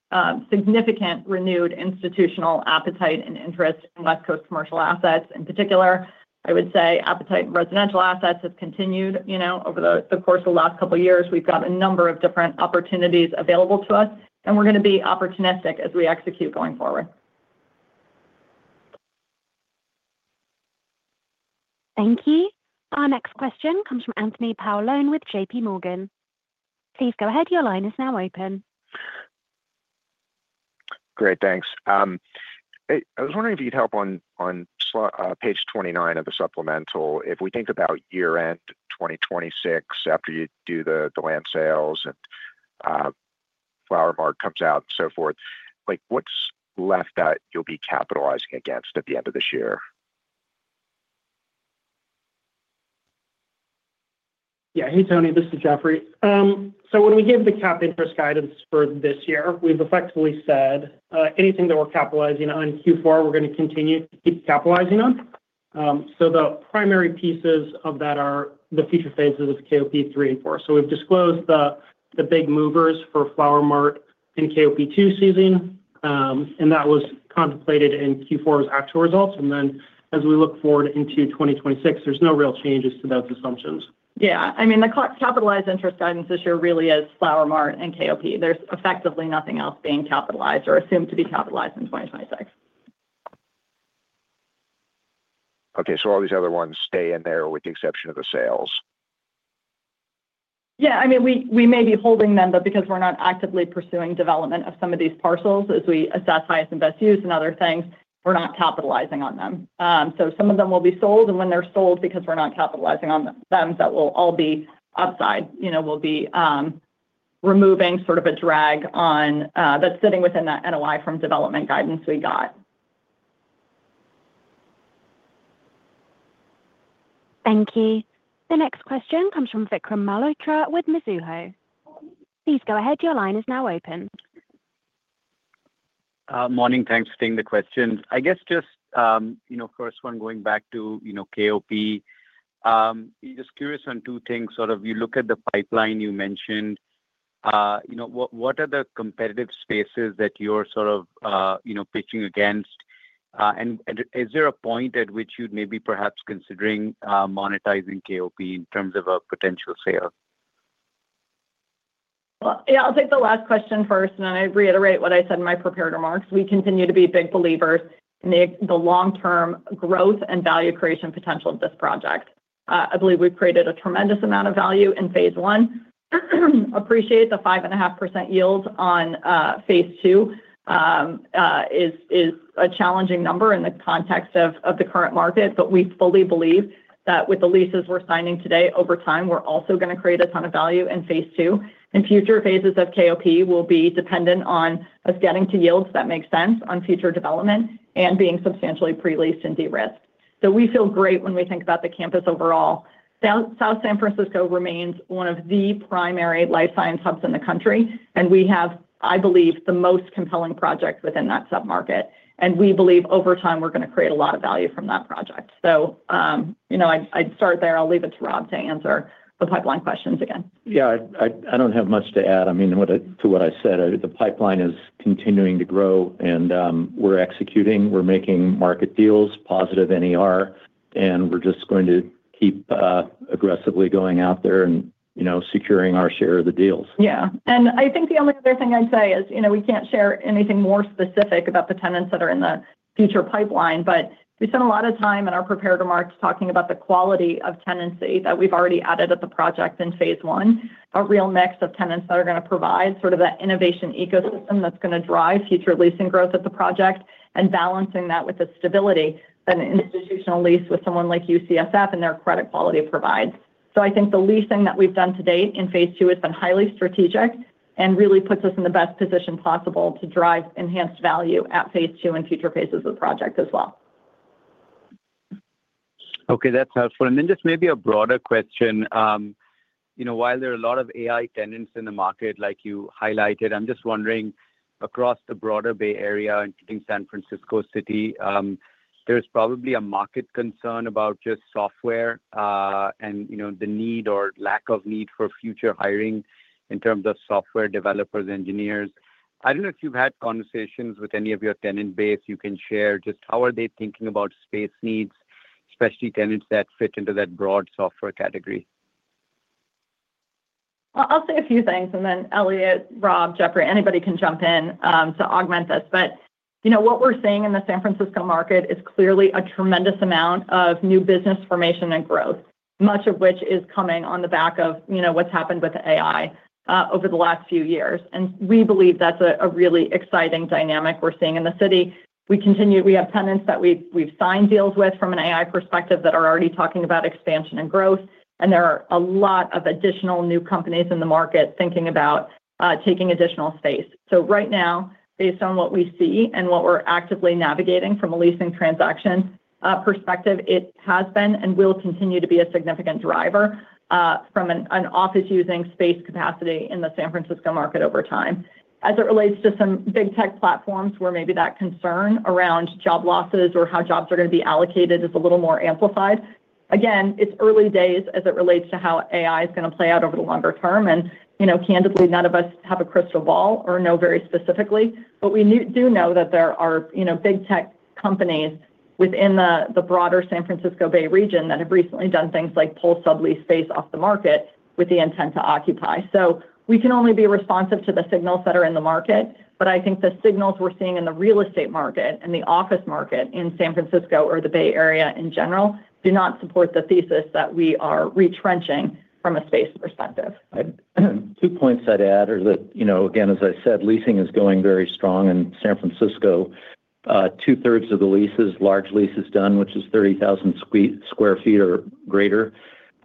significant renewed institutional appetite and interest in West Coast commercial assets, in particular. I would say appetite in residential assets has continued over the course of the last couple of years. We've got a number of different opportunities available to us, and we're going to be opportunistic as we execute going forward. Thank you. Our next question comes from Anthony Paolone with J.P. Morgan. Please go ahead. Your line is now open. Great. Thanks. I was wondering if you could help on page 29 of the supplemental. If we think about year-end 2026 after you do the land sales and Flower Mart comes out and so forth, what's left that you'll be capitalizing against at the end of this year? Yeah. Hey, Tony. This is Jeffrey. So when we gave the cap interest guidance for this year, we've effectively said anything that we're capitalizing on Q4, we're going to continue to keep capitalizing on. So the primary pieces of that are the future phases of KOP3 and 4. So we've disclosed the big movers for Flower Mart and KOP2 season, and that was contemplated in Q4's actual results. And then as we look forward into 2026, there's no real changes to those assumptions. Yeah. I mean, the capitalized interest guidance this year really is Flower Mart and KOP. There's effectively nothing else being capitalized or assumed to be capitalized in 2026. Okay. So all these other ones stay in there with the exception of the sales? Yeah. I mean, we may be holding them, but because we're not actively pursuing development of some of these parcels as we assess highest and best use and other things, we're not capitalizing on them. So some of them will be sold. And when they're sold, because we're not capitalizing on them, that will all be upside. We'll be removing sort of a drag that's sitting within that NOI from development guidance we got. Thank you. The next question comes from Vikram Malhotra with Mizuho. Please go ahead. Your line is now open. Morning. Thanks for taking the question. I guess just first one, going back to KOP, just curious on two things. Sort of you look at the pipeline you mentioned. What are the competitive spaces that you're sort of pitching against? And is there a point at which you'd maybe perhaps considering monetizing KOP in terms of a potential sale? Well, yeah. I'll take the last question first, and then I reiterate what I said in my prepared remarks. We continue to be big believers in the long-term growth and value creation potential of this project. I believe we've created a tremendous amount of value in phase one. Appreciate the 5.5% yield on phase two is a challenging number in the context of the current market. But we fully believe that with the leases we're signing today, over time, we're also going to create a ton of value in phase two. And future phases of KOP will be dependent on us getting to yields that make sense on future development and being substantially pre-leased and derisked. So we feel great when we think about the campus overall. South San Francisco remains one of the primary life science hubs in the country, and we have, I believe, the most compelling project within that submarket. We believe over time, we're going to create a lot of value from that project. I'd start there. I'll leave it to Rob to answer the pipeline questions again. Yeah. I don't have much to add. I mean, to what I said, the pipeline is continuing to grow, and we're executing. We're making market deals, positive NER, and we're just going to keep aggressively going out there and securing our share of the deals. Yeah. I think the only other thing I'd say is we can't share anything more specific about the tenants that are in the future pipeline. We spend a lot of time in our prepared remarks talking about the quality of tenancy that we've already added at the project in phase one, a real mix of tenants that are going to provide sort of that innovation ecosystem that's going to drive future leasing growth at the project, and balancing that with the stability that an institutional lease with someone like UCSF and their credit quality provides. I think the leasing that we've done to date in phase two has been highly strategic and really puts us in the best position possible to drive enhanced value at phase two and future phases of the project as well. Okay. That's helpful. And then just maybe a broader question. While there are a lot of AI tenants in the market, like you highlighted, I'm just wondering, across the broader Bay Area, including San Francisco City, there's probably a market concern about just software and the need or lack of need for future hiring in terms of software developers, engineers. I don't know if you've had conversations with any of your tenant base. You can share just how are they thinking about space needs, especially tenants that fit into that broad software category? Well, I'll say a few things, and then Eliott, Rob, Jeffrey, anybody can jump in to augment this. But what we're seeing in the San Francisco market is clearly a tremendous amount of new business formation and growth, much of which is coming on the back of what's happened with AI over the last few years. And we believe that's a really exciting dynamic we're seeing in the city. We have tenants that we've signed deals with from an AI perspective that are already talking about expansion and growth. And there are a lot of additional new companies in the market thinking about taking additional space. So right now, based on what we see and what we're actively navigating from a leasing transaction perspective, it has been and will continue to be a significant driver from an office-using space capacity in the San Francisco market over time. As it relates to some big tech platforms where maybe that concern around job losses or how jobs are going to be allocated is a little more amplified, again, it's early days as it relates to how AI is going to play out over the longer term. And candidly, none of us have a crystal ball or know very specifically. But we do know that there are big tech companies within the broader San Francisco Bay Region that have recently done things like pull sublease space off the market with the intent to occupy. So we can only be responsive to the signals that are in the market. But I think the signals we're seeing in the real estate market and the office market in San Francisco or the Bay Area in general do not support the thesis that we are retrenching from a space perspective. Two points I'd add are that, again, as I said, leasing is going very strong in San Francisco. Two-thirds of the leases, large leases done, which is 30,000 sq ft or greater,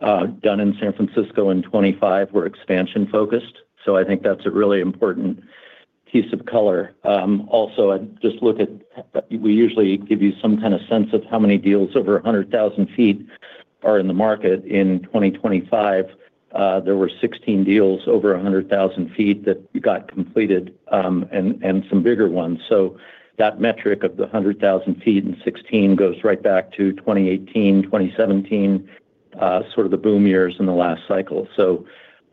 done in San Francisco in 2025 were expansion-focused. So I think that's a really important piece of color. Also, I just look at we usually give you some kind of sense of how many deals over 100,000 sq ft are in the market. In 2025, there were 16 deals over 100,000 sq ft that got completed and some bigger ones. So that metric of the 100,000 sq ft and 16 goes right back to 2018, 2017, sort of the boom years in the last cycle. So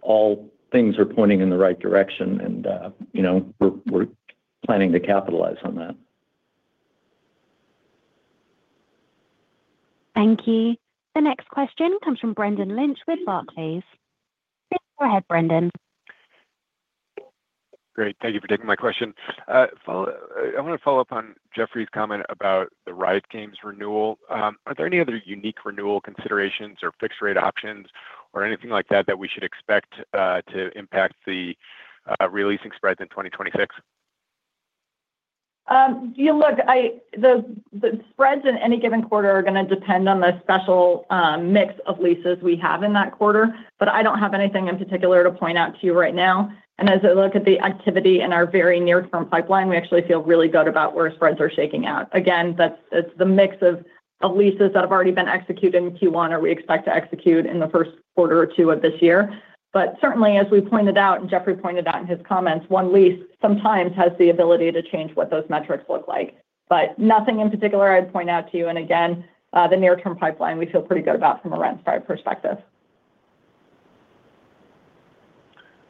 all things are pointing in the right direction, and we're planning to capitalize on that. Thank you. The next question comes from Brendan Lynch with Barclays. Please go ahead, Brendan. Great. Thank you for taking my question. I want to follow up on Jeffrey's comment about the Riot Games renewal. Are there any other unique renewal considerations or fixed-rate options or anything like that that we should expect to impact the releasing spreads in 2026? Yeah. Look, the spreads in any given quarter are going to depend on the special mix of leases we have in that quarter. But I don't have anything in particular to point out to you right now. And as I look at the activity in our very near-term pipeline, we actually feel really good about where spreads are shaking out. Again, it's the mix of leases that have already been executed in Q1 or we expect to execute in the first quarter or two of this year. But certainly, as we pointed out, and Jeffrey pointed out in his comments, one lease sometimes has the ability to change what those metrics look like. But nothing in particular I'd point out to you. And again, the near-term pipeline, we feel pretty good about from a rent spread perspective.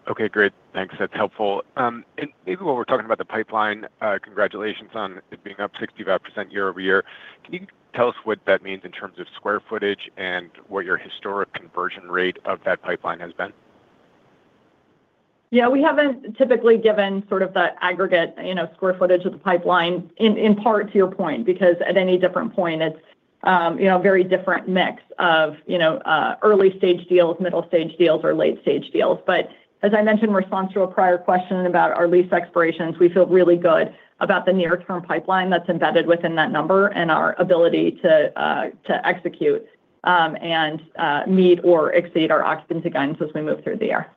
Okay. Great. Thanks. That's helpful. And maybe while we're talking about the pipeline, congratulations on it being up 65% year-over-year. Can you tell us what that means in terms of square footage and what your historic conversion rate of that pipeline has been? Yeah. We haven't typically given sort of that aggregate square footage of the pipeline, in part to your point, because at any different point, it's a very different mix of early-stage deals, middle-stage deals, or late-stage deals. But as I mentioned, in response to a prior question about our lease expirations, we feel really good about the near-term pipeline that's embedded within that number and our ability to execute and meet or exceed our occupancy guidance as we move through the year.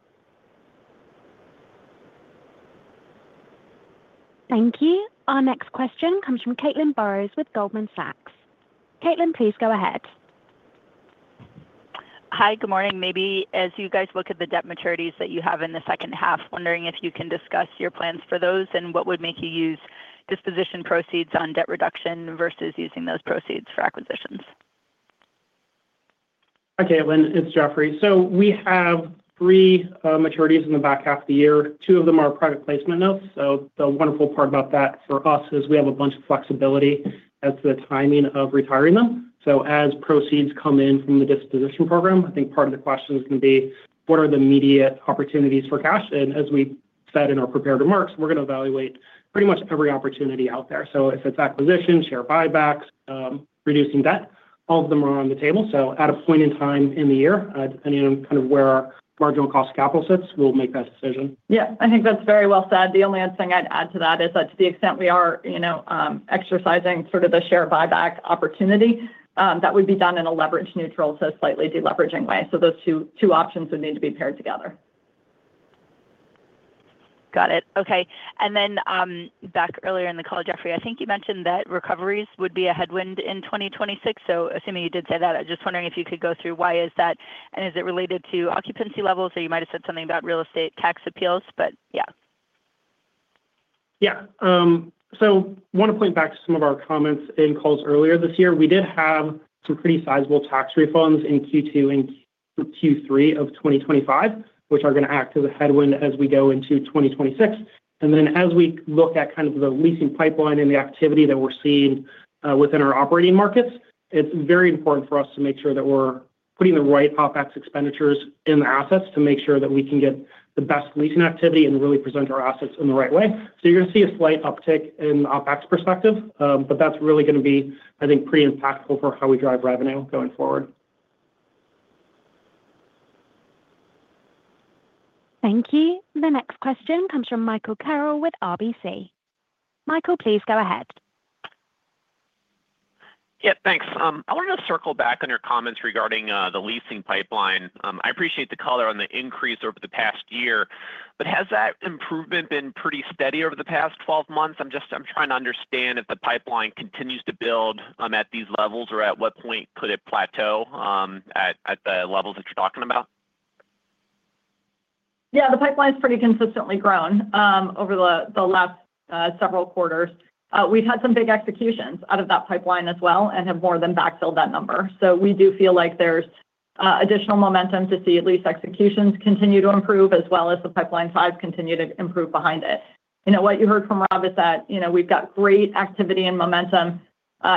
Thank you. Our next question comes from Caitlin Burrows with Goldman Sachs. Caitlin, please go ahead. Hi. Good morning. Maybe as you guys look at the debt maturities that you have in the second half, wondering if you can discuss your plans for those and what would make you use disposition proceeds on debt reduction versus using those proceeds for acquisitions? Okay, Caitlin. It's Jeffrey. So we have three maturities in the back half of the year. Two of them are private placement notes. So the wonderful part about that for us is we have a bunch of flexibility as to the timing of retiring them. So as proceeds come in from the disposition program, I think part of the question is going to be, what are the immediate opportunities for cash? And as we said in our prepared remarks, we're going to evaluate pretty much every opportunity out there. So if it's acquisition, share buybacks, reducing debt, all of them are on the table. So at a point in time in the year, depending on kind of where our marginal cost capital sits, we'll make that decision. Yeah. I think that's very well said. The only other thing I'd add to that is that to the extent we are exercising sort of the share buyback opportunity, that would be done in a leverage-neutral to a slightly deleveraging way. So those two options would need to be paired together. Got it. Okay. And then back earlier in the call, Jeffrey, I think you mentioned that recoveries would be a headwind in 2026. So assuming you did say that, I'm just wondering if you could go through why is that, and is it related to occupancy levels? Or you might have said something about real estate tax appeals, but yeah. Yeah. So I want to point back to some of our comments in calls earlier this year. We did have some pretty sizable tax refunds in Q2 and Q3 of 2025, which are going to act as a headwind as we go into 2026. And then as we look at kind of the leasing pipeline and the activity that we're seeing within our operating markets, it's very important for us to make sure that we're putting the right OpEx expenditures in the assets to make sure that we can get the best leasing activity and really present our assets in the right way. So you're going to see a slight uptick in the OpEx perspective, but that's really going to be, I think, pretty impactful for how we drive revenue going forward. Thank you. The next question comes from Michael Carroll with RBC. Michael, please go ahead. Yep. Thanks. I wanted to circle back on your comments regarding the leasing pipeline. I appreciate the color on the increase over the past year, but has that improvement been pretty steady over the past 12 months? I'm trying to understand if the pipeline continues to build at these levels, or at what point could it plateau at the levels that you're talking about? Yeah. The pipeline's pretty consistently grown over the last several quarters. We've had some big executions out of that pipeline as well and have more than backfilled that number. So we do feel like there's additional momentum to see at least executions continue to improve as well as the pipeline size continue to improve behind it. What you heard from Rob is that we've got great activity and momentum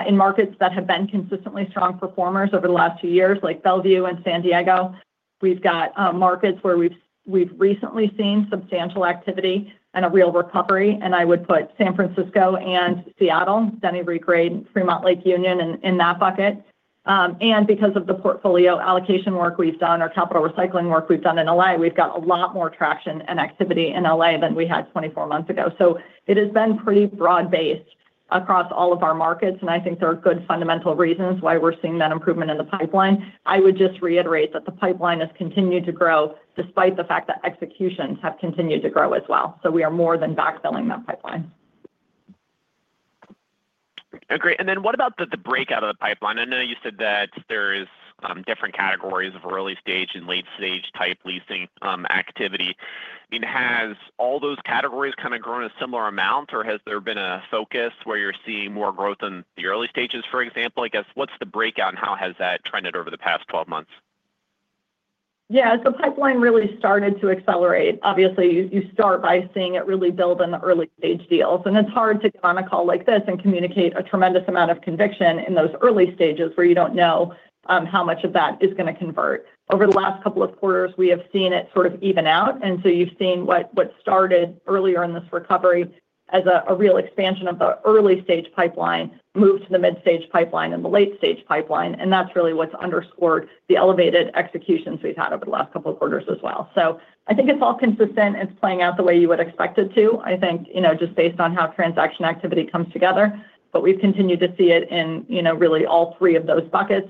in markets that have been consistently strong performers over the last two years, like Bellevue and San Diego. We've got markets where we've recently seen substantial activity and a real recovery. And I would put San Francisco and Seattle, Denny Regrade, and Fremont Lake Union in that bucket. And because of the portfolio allocation work we've done, our capital recycling work we've done in LA, we've got a lot more traction and activity in LA than we had 24 months ago. So it has been pretty broad-based across all of our markets, and I think there are good fundamental reasons why we're seeing that improvement in the pipeline. I would just reiterate that the pipeline has continued to grow despite the fact that executions have continued to grow as well. So we are more than backfilling that pipeline. Great. And then what about the breakdown of the pipeline? I know you said that there's different categories of early-stage and late-stage type leasing activity. Has all those categories kind of grown a similar amount, or has there been a focus where you're seeing more growth in the early stages, for example? I guess what's the breakdown, and how has that trended over the past 12 months? Yeah. So the pipeline really started to accelerate. Obviously, you start by seeing it really build in the early-stage deals. And it's hard to get on a call like this and communicate a tremendous amount of conviction in those early stages where you don't know how much of that is going to convert. Over the last couple of quarters, we have seen it sort of even out. And so you've seen what started earlier in this recovery as a real expansion of the early-stage pipeline move to the mid-stage pipeline and the late-stage pipeline. And that's really what's underscored the elevated executions we've had over the last couple of quarters as well. So I think it's all consistent. It's playing out the way you would expect it to, I think, just based on how transaction activity comes together. But we've continued to see it in really all three of those buckets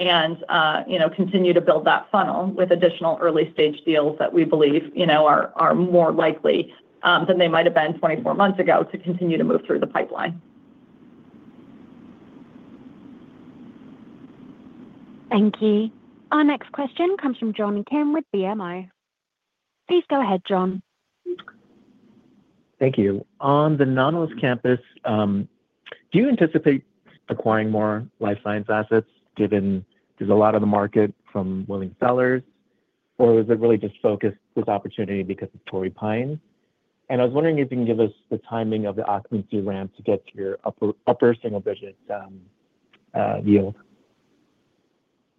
and continue to build that funnel with additional early-stage deals that we believe are more likely than they might have been 24 months ago to continue to move through the pipeline. Thank you. Our next question comes from John P. Kim with BMO. Please go ahead, John. Thank you. On the Nautilus campus, do you anticipate acquiring more life science assets given there's a lot of the market from willing sellers, or is it really just focused on this opportunity because of Torrey Pines? I was wondering if you can give us the timing of the occupancy ramp to get to your upper single-digit yield.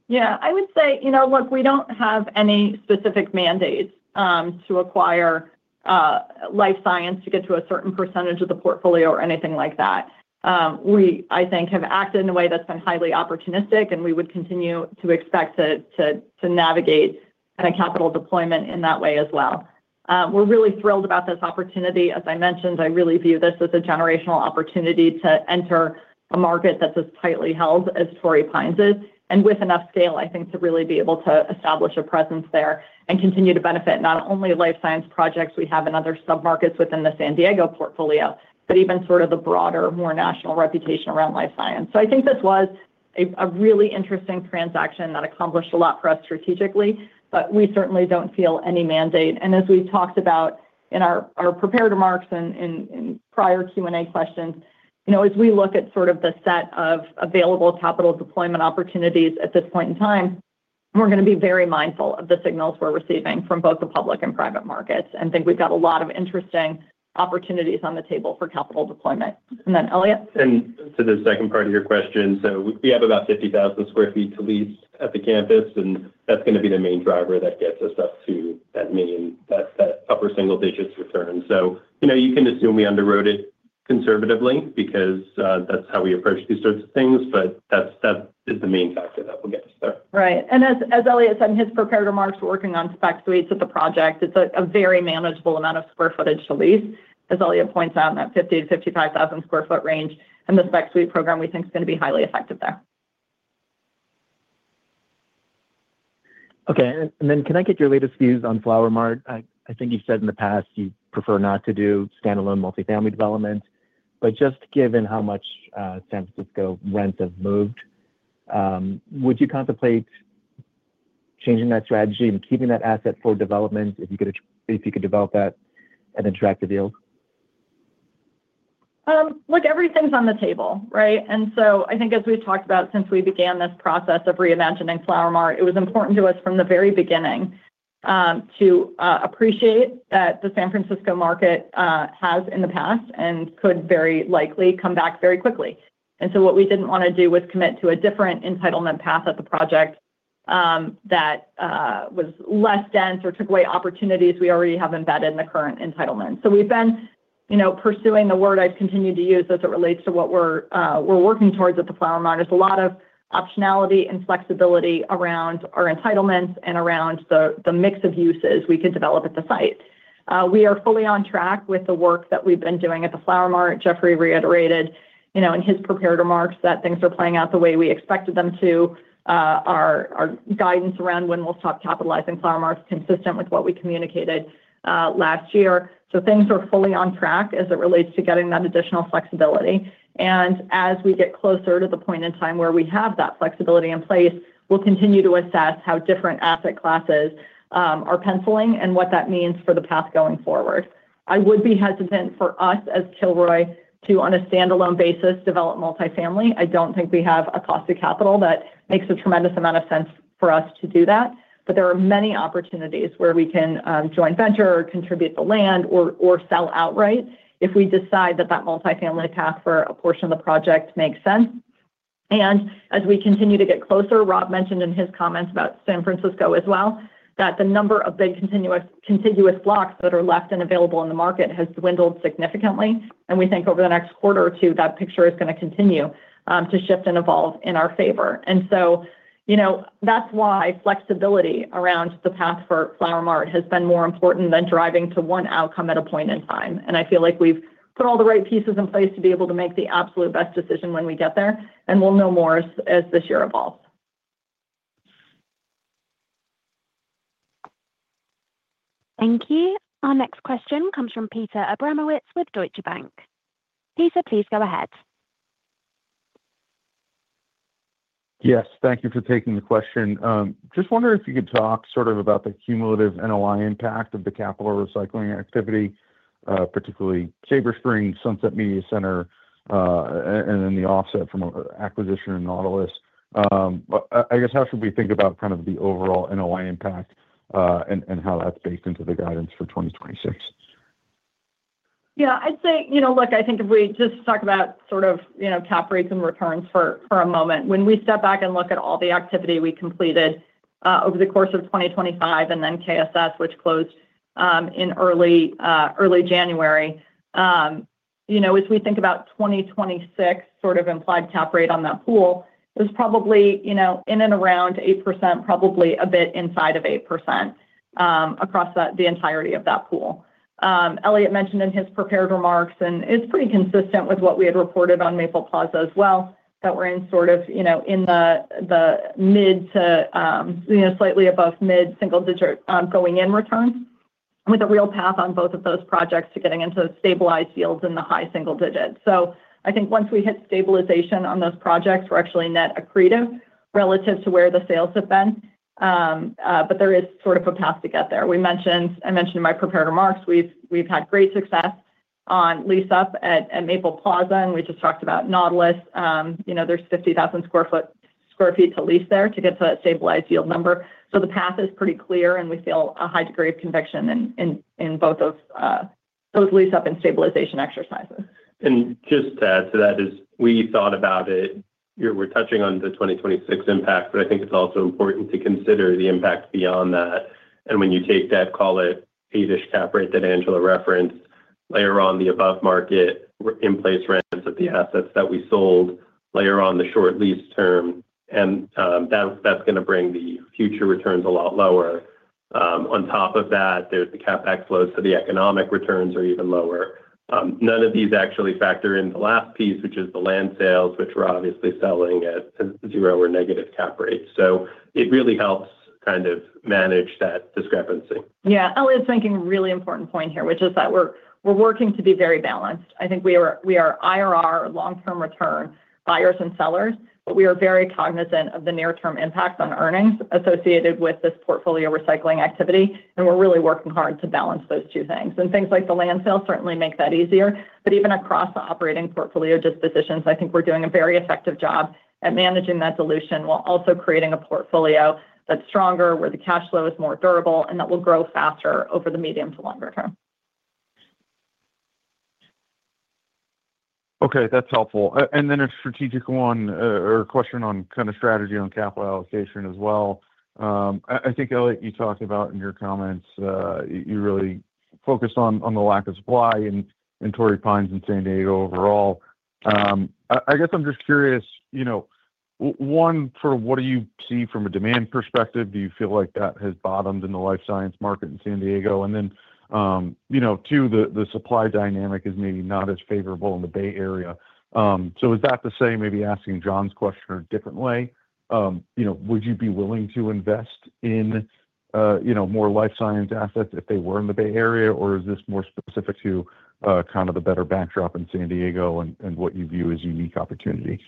Yeah. I would say, look, we don't have any specific mandates to acquire life science to get to a certain percentage of the portfolio or anything like that. We, I think, have acted in a way that's been highly opportunistic, and we would continue to expect to navigate kind of capital deployment in that way as well. We're really thrilled about this opportunity. As I mentioned, I really view this as a generational opportunity to enter a market that's as tightly held as Torrey Pines is and with enough scale, I think, to really be able to establish a presence there and continue to benefit not only life science projects we have in other submarkets within the San Diego portfolio, but even sort of the broader, more national reputation around life science. I think this was a really interesting transaction that accomplished a lot for us strategically, but we certainly don't feel any mandate. As we talked about in our prepared remarks and prior Q&A questions, as we look at sort of the set of available capital deployment opportunities at this point in time, we're going to be very mindful of the signals we're receiving from both the public and private markets and think we've got a lot of interesting opportunities on the table for capital deployment. Then, Eliott? To the second part of your question, so we have about 50,000 sq ft to lease at the campus, and that's going to be the main driver that gets us up to that mean, that upper single-digit return. So you can assume we underwrote it conservatively because that's how we approach these sorts of things, but that is the main factor that will get us there. Right. And as Eliott said in his prepared remarks, we're working on spec suites at the project. It's a very manageable amount of square footage to lease, as Eliott points out, in that 50,000-55,000 sq ft range. And the spec suites program, we think, is going to be highly effective there. Okay. Then can I get your latest views on Flower Mart? I think you've said in the past you prefer not to do standalone multifamily development. But just given how much San Francisco rents have moved, would you contemplate changing that strategy and keeping that asset for development if you could develop that and attract the deals? Look, everything's on the table, right? And so I think, as we've talked about since we began this process of reimagining Flower Mart, it was important to us from the very beginning to appreciate that the San Francisco market has, in the past, and could very likely come back very quickly. And so what we didn't want to do was commit to a different entitlement path at the project that was less dense or took away opportunities we already have embedded in the current entitlement. So we've been pursuing the word I've continued to use as it relates to what we're working towards at the Flower Mart is a lot of optionality and flexibility around our entitlements and around the mix of uses we could develop at the site. We are fully on track with the work that we've been doing at the Flower Mart. Jeffrey reiterated in his prepared remarks that things are playing out the way we expected them to. Our guidance around when we'll stop capitalizing Flower Mart is consistent with what we communicated last year. Things are fully on track as it relates to getting that additional flexibility. As we get closer to the point in time where we have that flexibility in place, we'll continue to assess how different asset classes are penciling and what that means for the path going forward. I would be hesitant for us as Kilroy to, on a standalone basis, develop multifamily. I don't think we have a cost of capital that makes a tremendous amount of sense for us to do that. But there are many opportunities where we can joint venture or contribute the land or sell outright if we decide that that multifamily path for a portion of the project makes sense. And as we continue to get closer, Rob mentioned in his comments about San Francisco as well that the number of big contiguous blocks that are left and available in the market has dwindled significantly. And we think over the next quarter or two, that picture is going to continue to shift and evolve in our favor. And so that's why flexibility around the path for Flower Mart has been more important than driving to one outcome at a point in time. And I feel like we've put all the right pieces in place to be able to make the absolute best decision when we get there, and we'll know more as this year evolves. Thank you. Our next question comes from Peter Abramowitz with Deutsche Bank. Peter, please go ahead. Yes. Thank you for taking the question. Just wondering if you could talk sort of about the cumulative NOI impact of the capital recycling activity, particularly Sabre Springs, Sunset Media Center, and then the offset from acquisition in Nautilus. I guess how should we think about kind of the overall NOI impact and how that's baked into the guidance for 2026? Yeah. I'd say, look, I think if we just talk about sort of cap rates and returns for a moment, when we step back and look at all the activity we completed over the course of 2025 and then KSS, which closed in early January, as we think about 2026 sort of implied cap rate on that pool, it was probably in and around 8%, probably a bit inside of 8% across the entirety of that pool. Eliott mentioned in his prepared remarks, and it's pretty consistent with what we had reported on Maple Plaza as well, that we're in sort of the mid to slightly above mid single-digit going-in returns with a real path on both of those projects to getting into stabilized yields in the high single digit. So I think once we hit stabilization on those projects, we're actually net accretive relative to where the sales have been. But there is sort of a path to get there. I mentioned in my prepared remarks, we've had great success on lease-up at Maple Plaza, and we just talked about Nautilus. There's 50,000 sq ft to lease there to get to that stabilized yield number. So the path is pretty clear, and we feel a high degree of conviction in both of those lease-up and stabilization exercises. Just to add to that, we thought about it. We're touching on the 2026 impact, but I think it's also important to consider the impact beyond that. When you take that, call it 8-ish cap rate that Angela referenced, layer on the above-market in-place rents of the assets that we sold, layer on the short lease term, and that's going to bring the future returns a lot lower. On top of that, there's the CapEx flows, so the economic returns are even lower. None of these actually factor in the last piece, which is the land sales, which we're obviously selling at zero or negative cap rates. So it really helps kind of manage that discrepancy. Yeah. Eliott's making a really important point here, which is that we're working to be very balanced. I think we are IRR, long-term return buyers and sellers, but we are very cognizant of the near-term impacts on earnings associated with this portfolio recycling activity. We're really working hard to balance those two things. Things like the land sale certainly make that easier. Even across the operating portfolio dispositions, I think we're doing a very effective job at managing that dilution while also creating a portfolio that's stronger, where the cash flow is more durable, and that will grow faster over the medium to longer term. Okay. That's helpful. And then a strategic one or question on kind of strategy on capital allocation as well. I think, Eliott, you talked about in your comments, you really focused on the lack of supply in Torrey Pines and San Diego overall. I guess I'm just curious, one, sort of what do you see from a demand perspective? Do you feel like that has bottomed in the life science market in San Diego? And then, two, the supply dynamic is maybe not as favorable in the Bay Area. So is that the same, maybe asking John's question a different way? Would you be willing to invest in more life science assets if they were in the Bay Area, or is this more specific to kind of the better backdrop in San Diego and what you view as unique opportunity?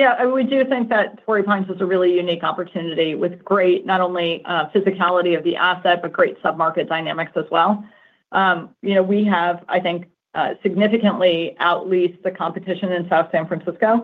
Yeah. I mean, we do think that Torrey Pines is a really unique opportunity with great not only physicality of the asset, but great submarket dynamics as well. We have, I think, significantly outleased the competition in South San Francisco.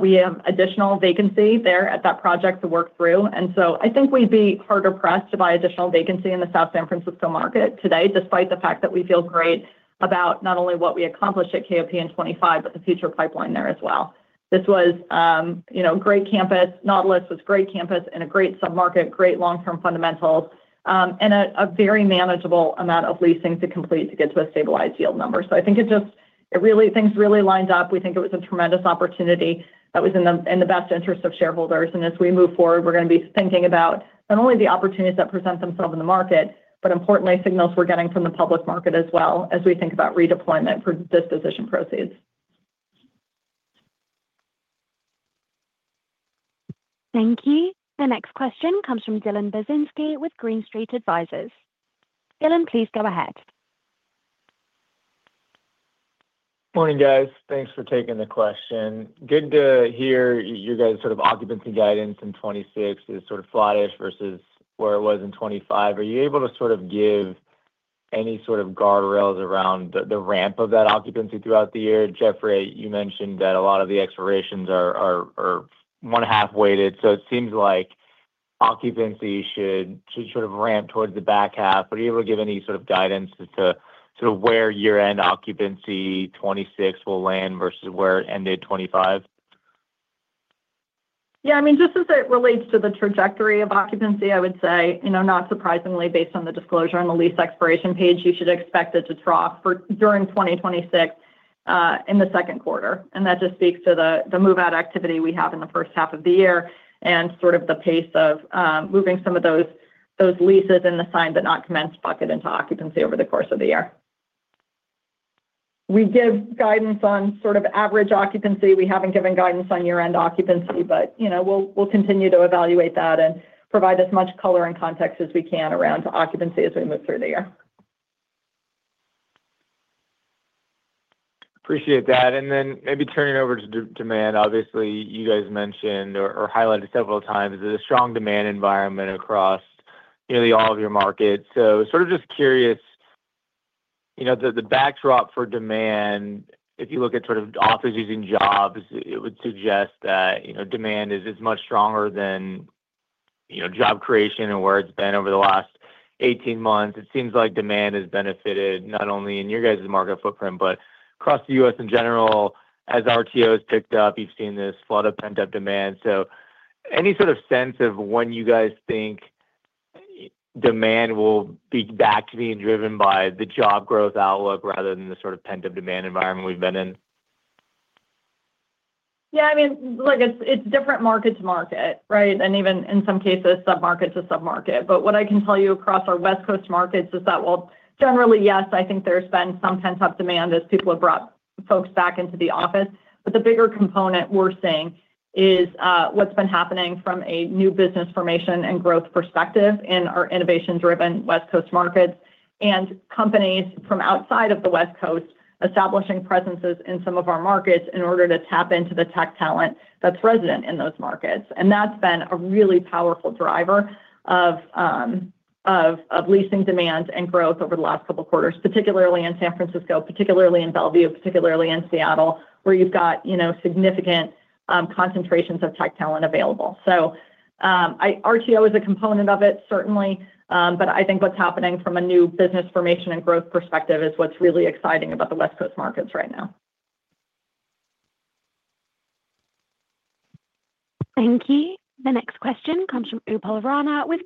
We have additional vacancy there at that project to work through. And so I think we'd be hard-pressed to buy additional vacancy in the South San Francisco market today, despite the fact that we feel great about not only what we accomplished at KOP in 2025, but the future pipeline there as well. This was a great campus. Nautilus was a great campus and a great submarket, great long-term fundamentals, and a very manageable amount of leasing to complete to get to a stabilized yield number. So I think it really things really lined up. We think it was a tremendous opportunity that was in the best interest of shareholders. As we move forward, we're going to be thinking about not only the opportunities that present themselves in the market, but importantly, signals we're getting from the public market as well as we think about redeployment for disposition proceeds. Thank you. The next question comes from Dylan Burzinski with Green Street Advisors. Dylan, please go ahead. Morning, guys. Thanks for taking the question. Good to hear your guys' sort of occupancy guidance in 2026 is sort of flattish versus where it was in 2025. Are you able to sort of give any sort of guardrails around the ramp of that occupancy throughout the year? Jeffrey, you mentioned that a lot of the expirations are one-half-weighted, so it seems like occupancy should sort of ramp towards the back half. Are you able to give any sort of guidance as to sort of where year-end occupancy 2026 will land versus where it ended 2025? Yeah. I mean, just as it relates to the trajectory of occupancy, I would say, not surprisingly, based on the disclosure on the lease expiration page, you should expect it to trough during 2026 in the second quarter. And that just speaks to the move-out activity we have in the first half of the year and sort of the pace of moving some of those leases in the signed but not commenced bucket into occupancy over the course of the year. We give guidance on sort of average occupancy. We haven't given guidance on year-end occupancy, but we'll continue to evaluate that and provide as much color and context as we can around occupancy as we move through the year. Appreciate that. And then maybe turning over to demand. Obviously, you guys mentioned or highlighted several times that a strong demand environment across nearly all of your markets. So sort of just curious, the backdrop for demand, if you look at sort of offers using jobs, it would suggest that demand is much stronger than job creation and where it's been over the last 18 months. It seems like demand has benefited not only in your guys' market footprint, but across the U.S. in general. As RTOs picked up, you've seen this flood of pent-up demand. So any sort of sense of when you guys think demand will be back to being driven by the job growth outlook rather than the sort of pent-up demand environment we've been in? Yeah. I mean, look, it's different market to market, right, and even in some cases, submarket to submarket. But what I can tell you across our West Coast markets is that, well, generally, yes, I think there's been some pent-up demand as people have brought folks back into the office. But the bigger component we're seeing is what's been happening from a new business formation and growth perspective in our innovation-driven West Coast markets and companies from outside of the West Coast establishing presences in some of our markets in order to tap into the tech talent that's resident in those markets. And that's been a really powerful driver of leasing demand and growth over the last couple of quarters, particularly in San Francisco, particularly in Bellevue, particularly in Seattle, where you've got significant concentrations of tech talent available. So RTO is a component of it, certainly, but I think what's happening from a new business formation and growth perspective is what's really exciting about the West Coast markets right now. Thank you. The next question comes from Upal Rana with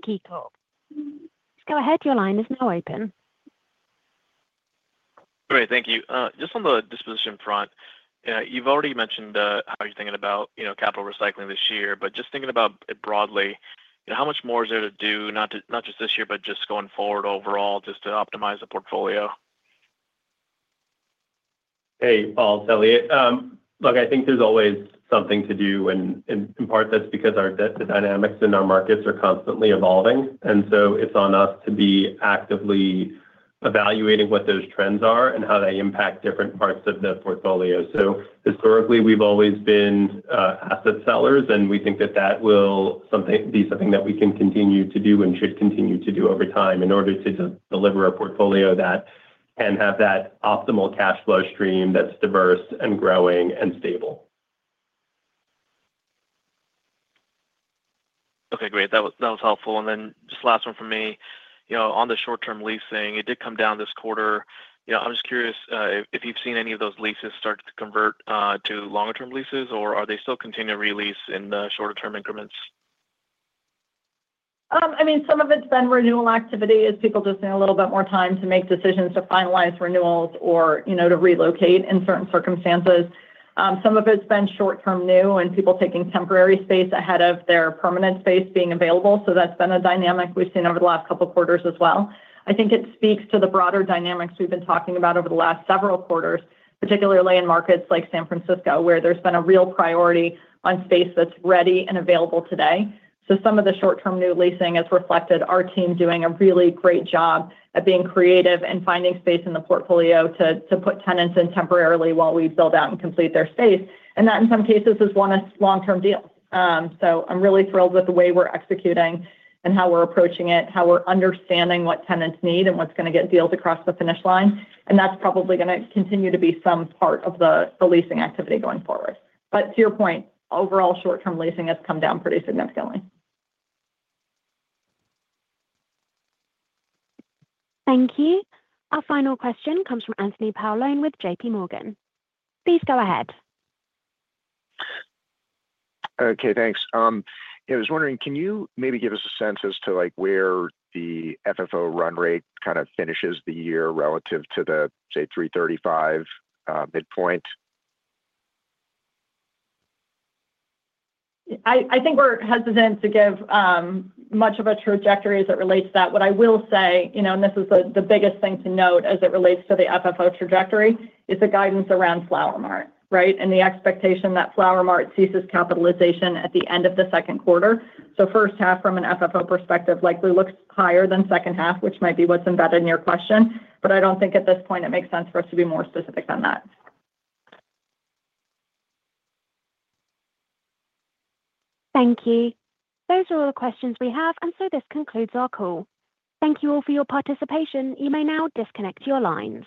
KeyCorp. Please go ahead. Your line is now open. Great. Thank you. Just on the disposition front, you've already mentioned how you're thinking about capital recycling this year, but just thinking about it broadly, how much more is there to do, not just this year, but just going forward overall, just to optimize the portfolio? Hey, Upal, it's Eliott. Look, I think there's always something to do, and in part, that's because the dynamics in our markets are constantly evolving. So it's on us to be actively evaluating what those trends are and how they impact different parts of the portfolio. So historically, we've always been asset sellers, and we think that that will be something that we can continue to do and should continue to do over time in order to deliver a portfolio that can have that optimal cash flow stream that's diverse and growing and stable. Okay. Great. That was helpful. And then just last one from me. On the short-term leasing, it did come down this quarter. I'm just curious if you've seen any of those leases start to convert to longer-term leases, or are they still continuing to release in shorter-term increments? I mean, some of it's been renewal activity as people just need a little bit more time to make decisions to finalize renewals or to relocate in certain circumstances. Some of it's been short-term new and people taking temporary space ahead of their permanent space being available. So that's been a dynamic we've seen over the last couple of quarters as well. I think it speaks to the broader dynamics we've been talking about over the last several quarters, particularly in markets like San Francisco, where there's been a real priority on space that's ready and available today. So some of the short-term new leasing has reflected our team doing a really great job at being creative and finding space in the portfolio to put tenants in temporarily while we build out and complete their space. And that, in some cases, is one of long-term deals. I'm really thrilled with the way we're executing and how we're approaching it, how we're understanding what tenants need and what's going to get deals across the finish line. That's probably going to continue to be some part of the leasing activity going forward. To your point, overall, short-term leasing has come down pretty significantly. Thank you. Our final question comes from Anthony Paolone with J.P. Morgan. Please go ahead. Okay. Thanks. I was wondering, can you maybe give us a sense as to where the FFO run rate kind of finishes the year relative to the, say, 335 midpoint? I think we're hesitant to give much of a trajectory as it relates to that. What I will say, and this is the biggest thing to note as it relates to the FFO trajectory, is the guidance around Flower Mart, right, and the expectation that Flower Mart ceases capitalization at the end of the second quarter. So first half, from an FFO perspective, likely looks higher than second half, which might be what's embedded in your question. But I don't think at this point it makes sense for us to be more specific than that. Thank you. Those are all the questions we have, and so this concludes our call. Thank you all for your participation. You may now disconnect your lines.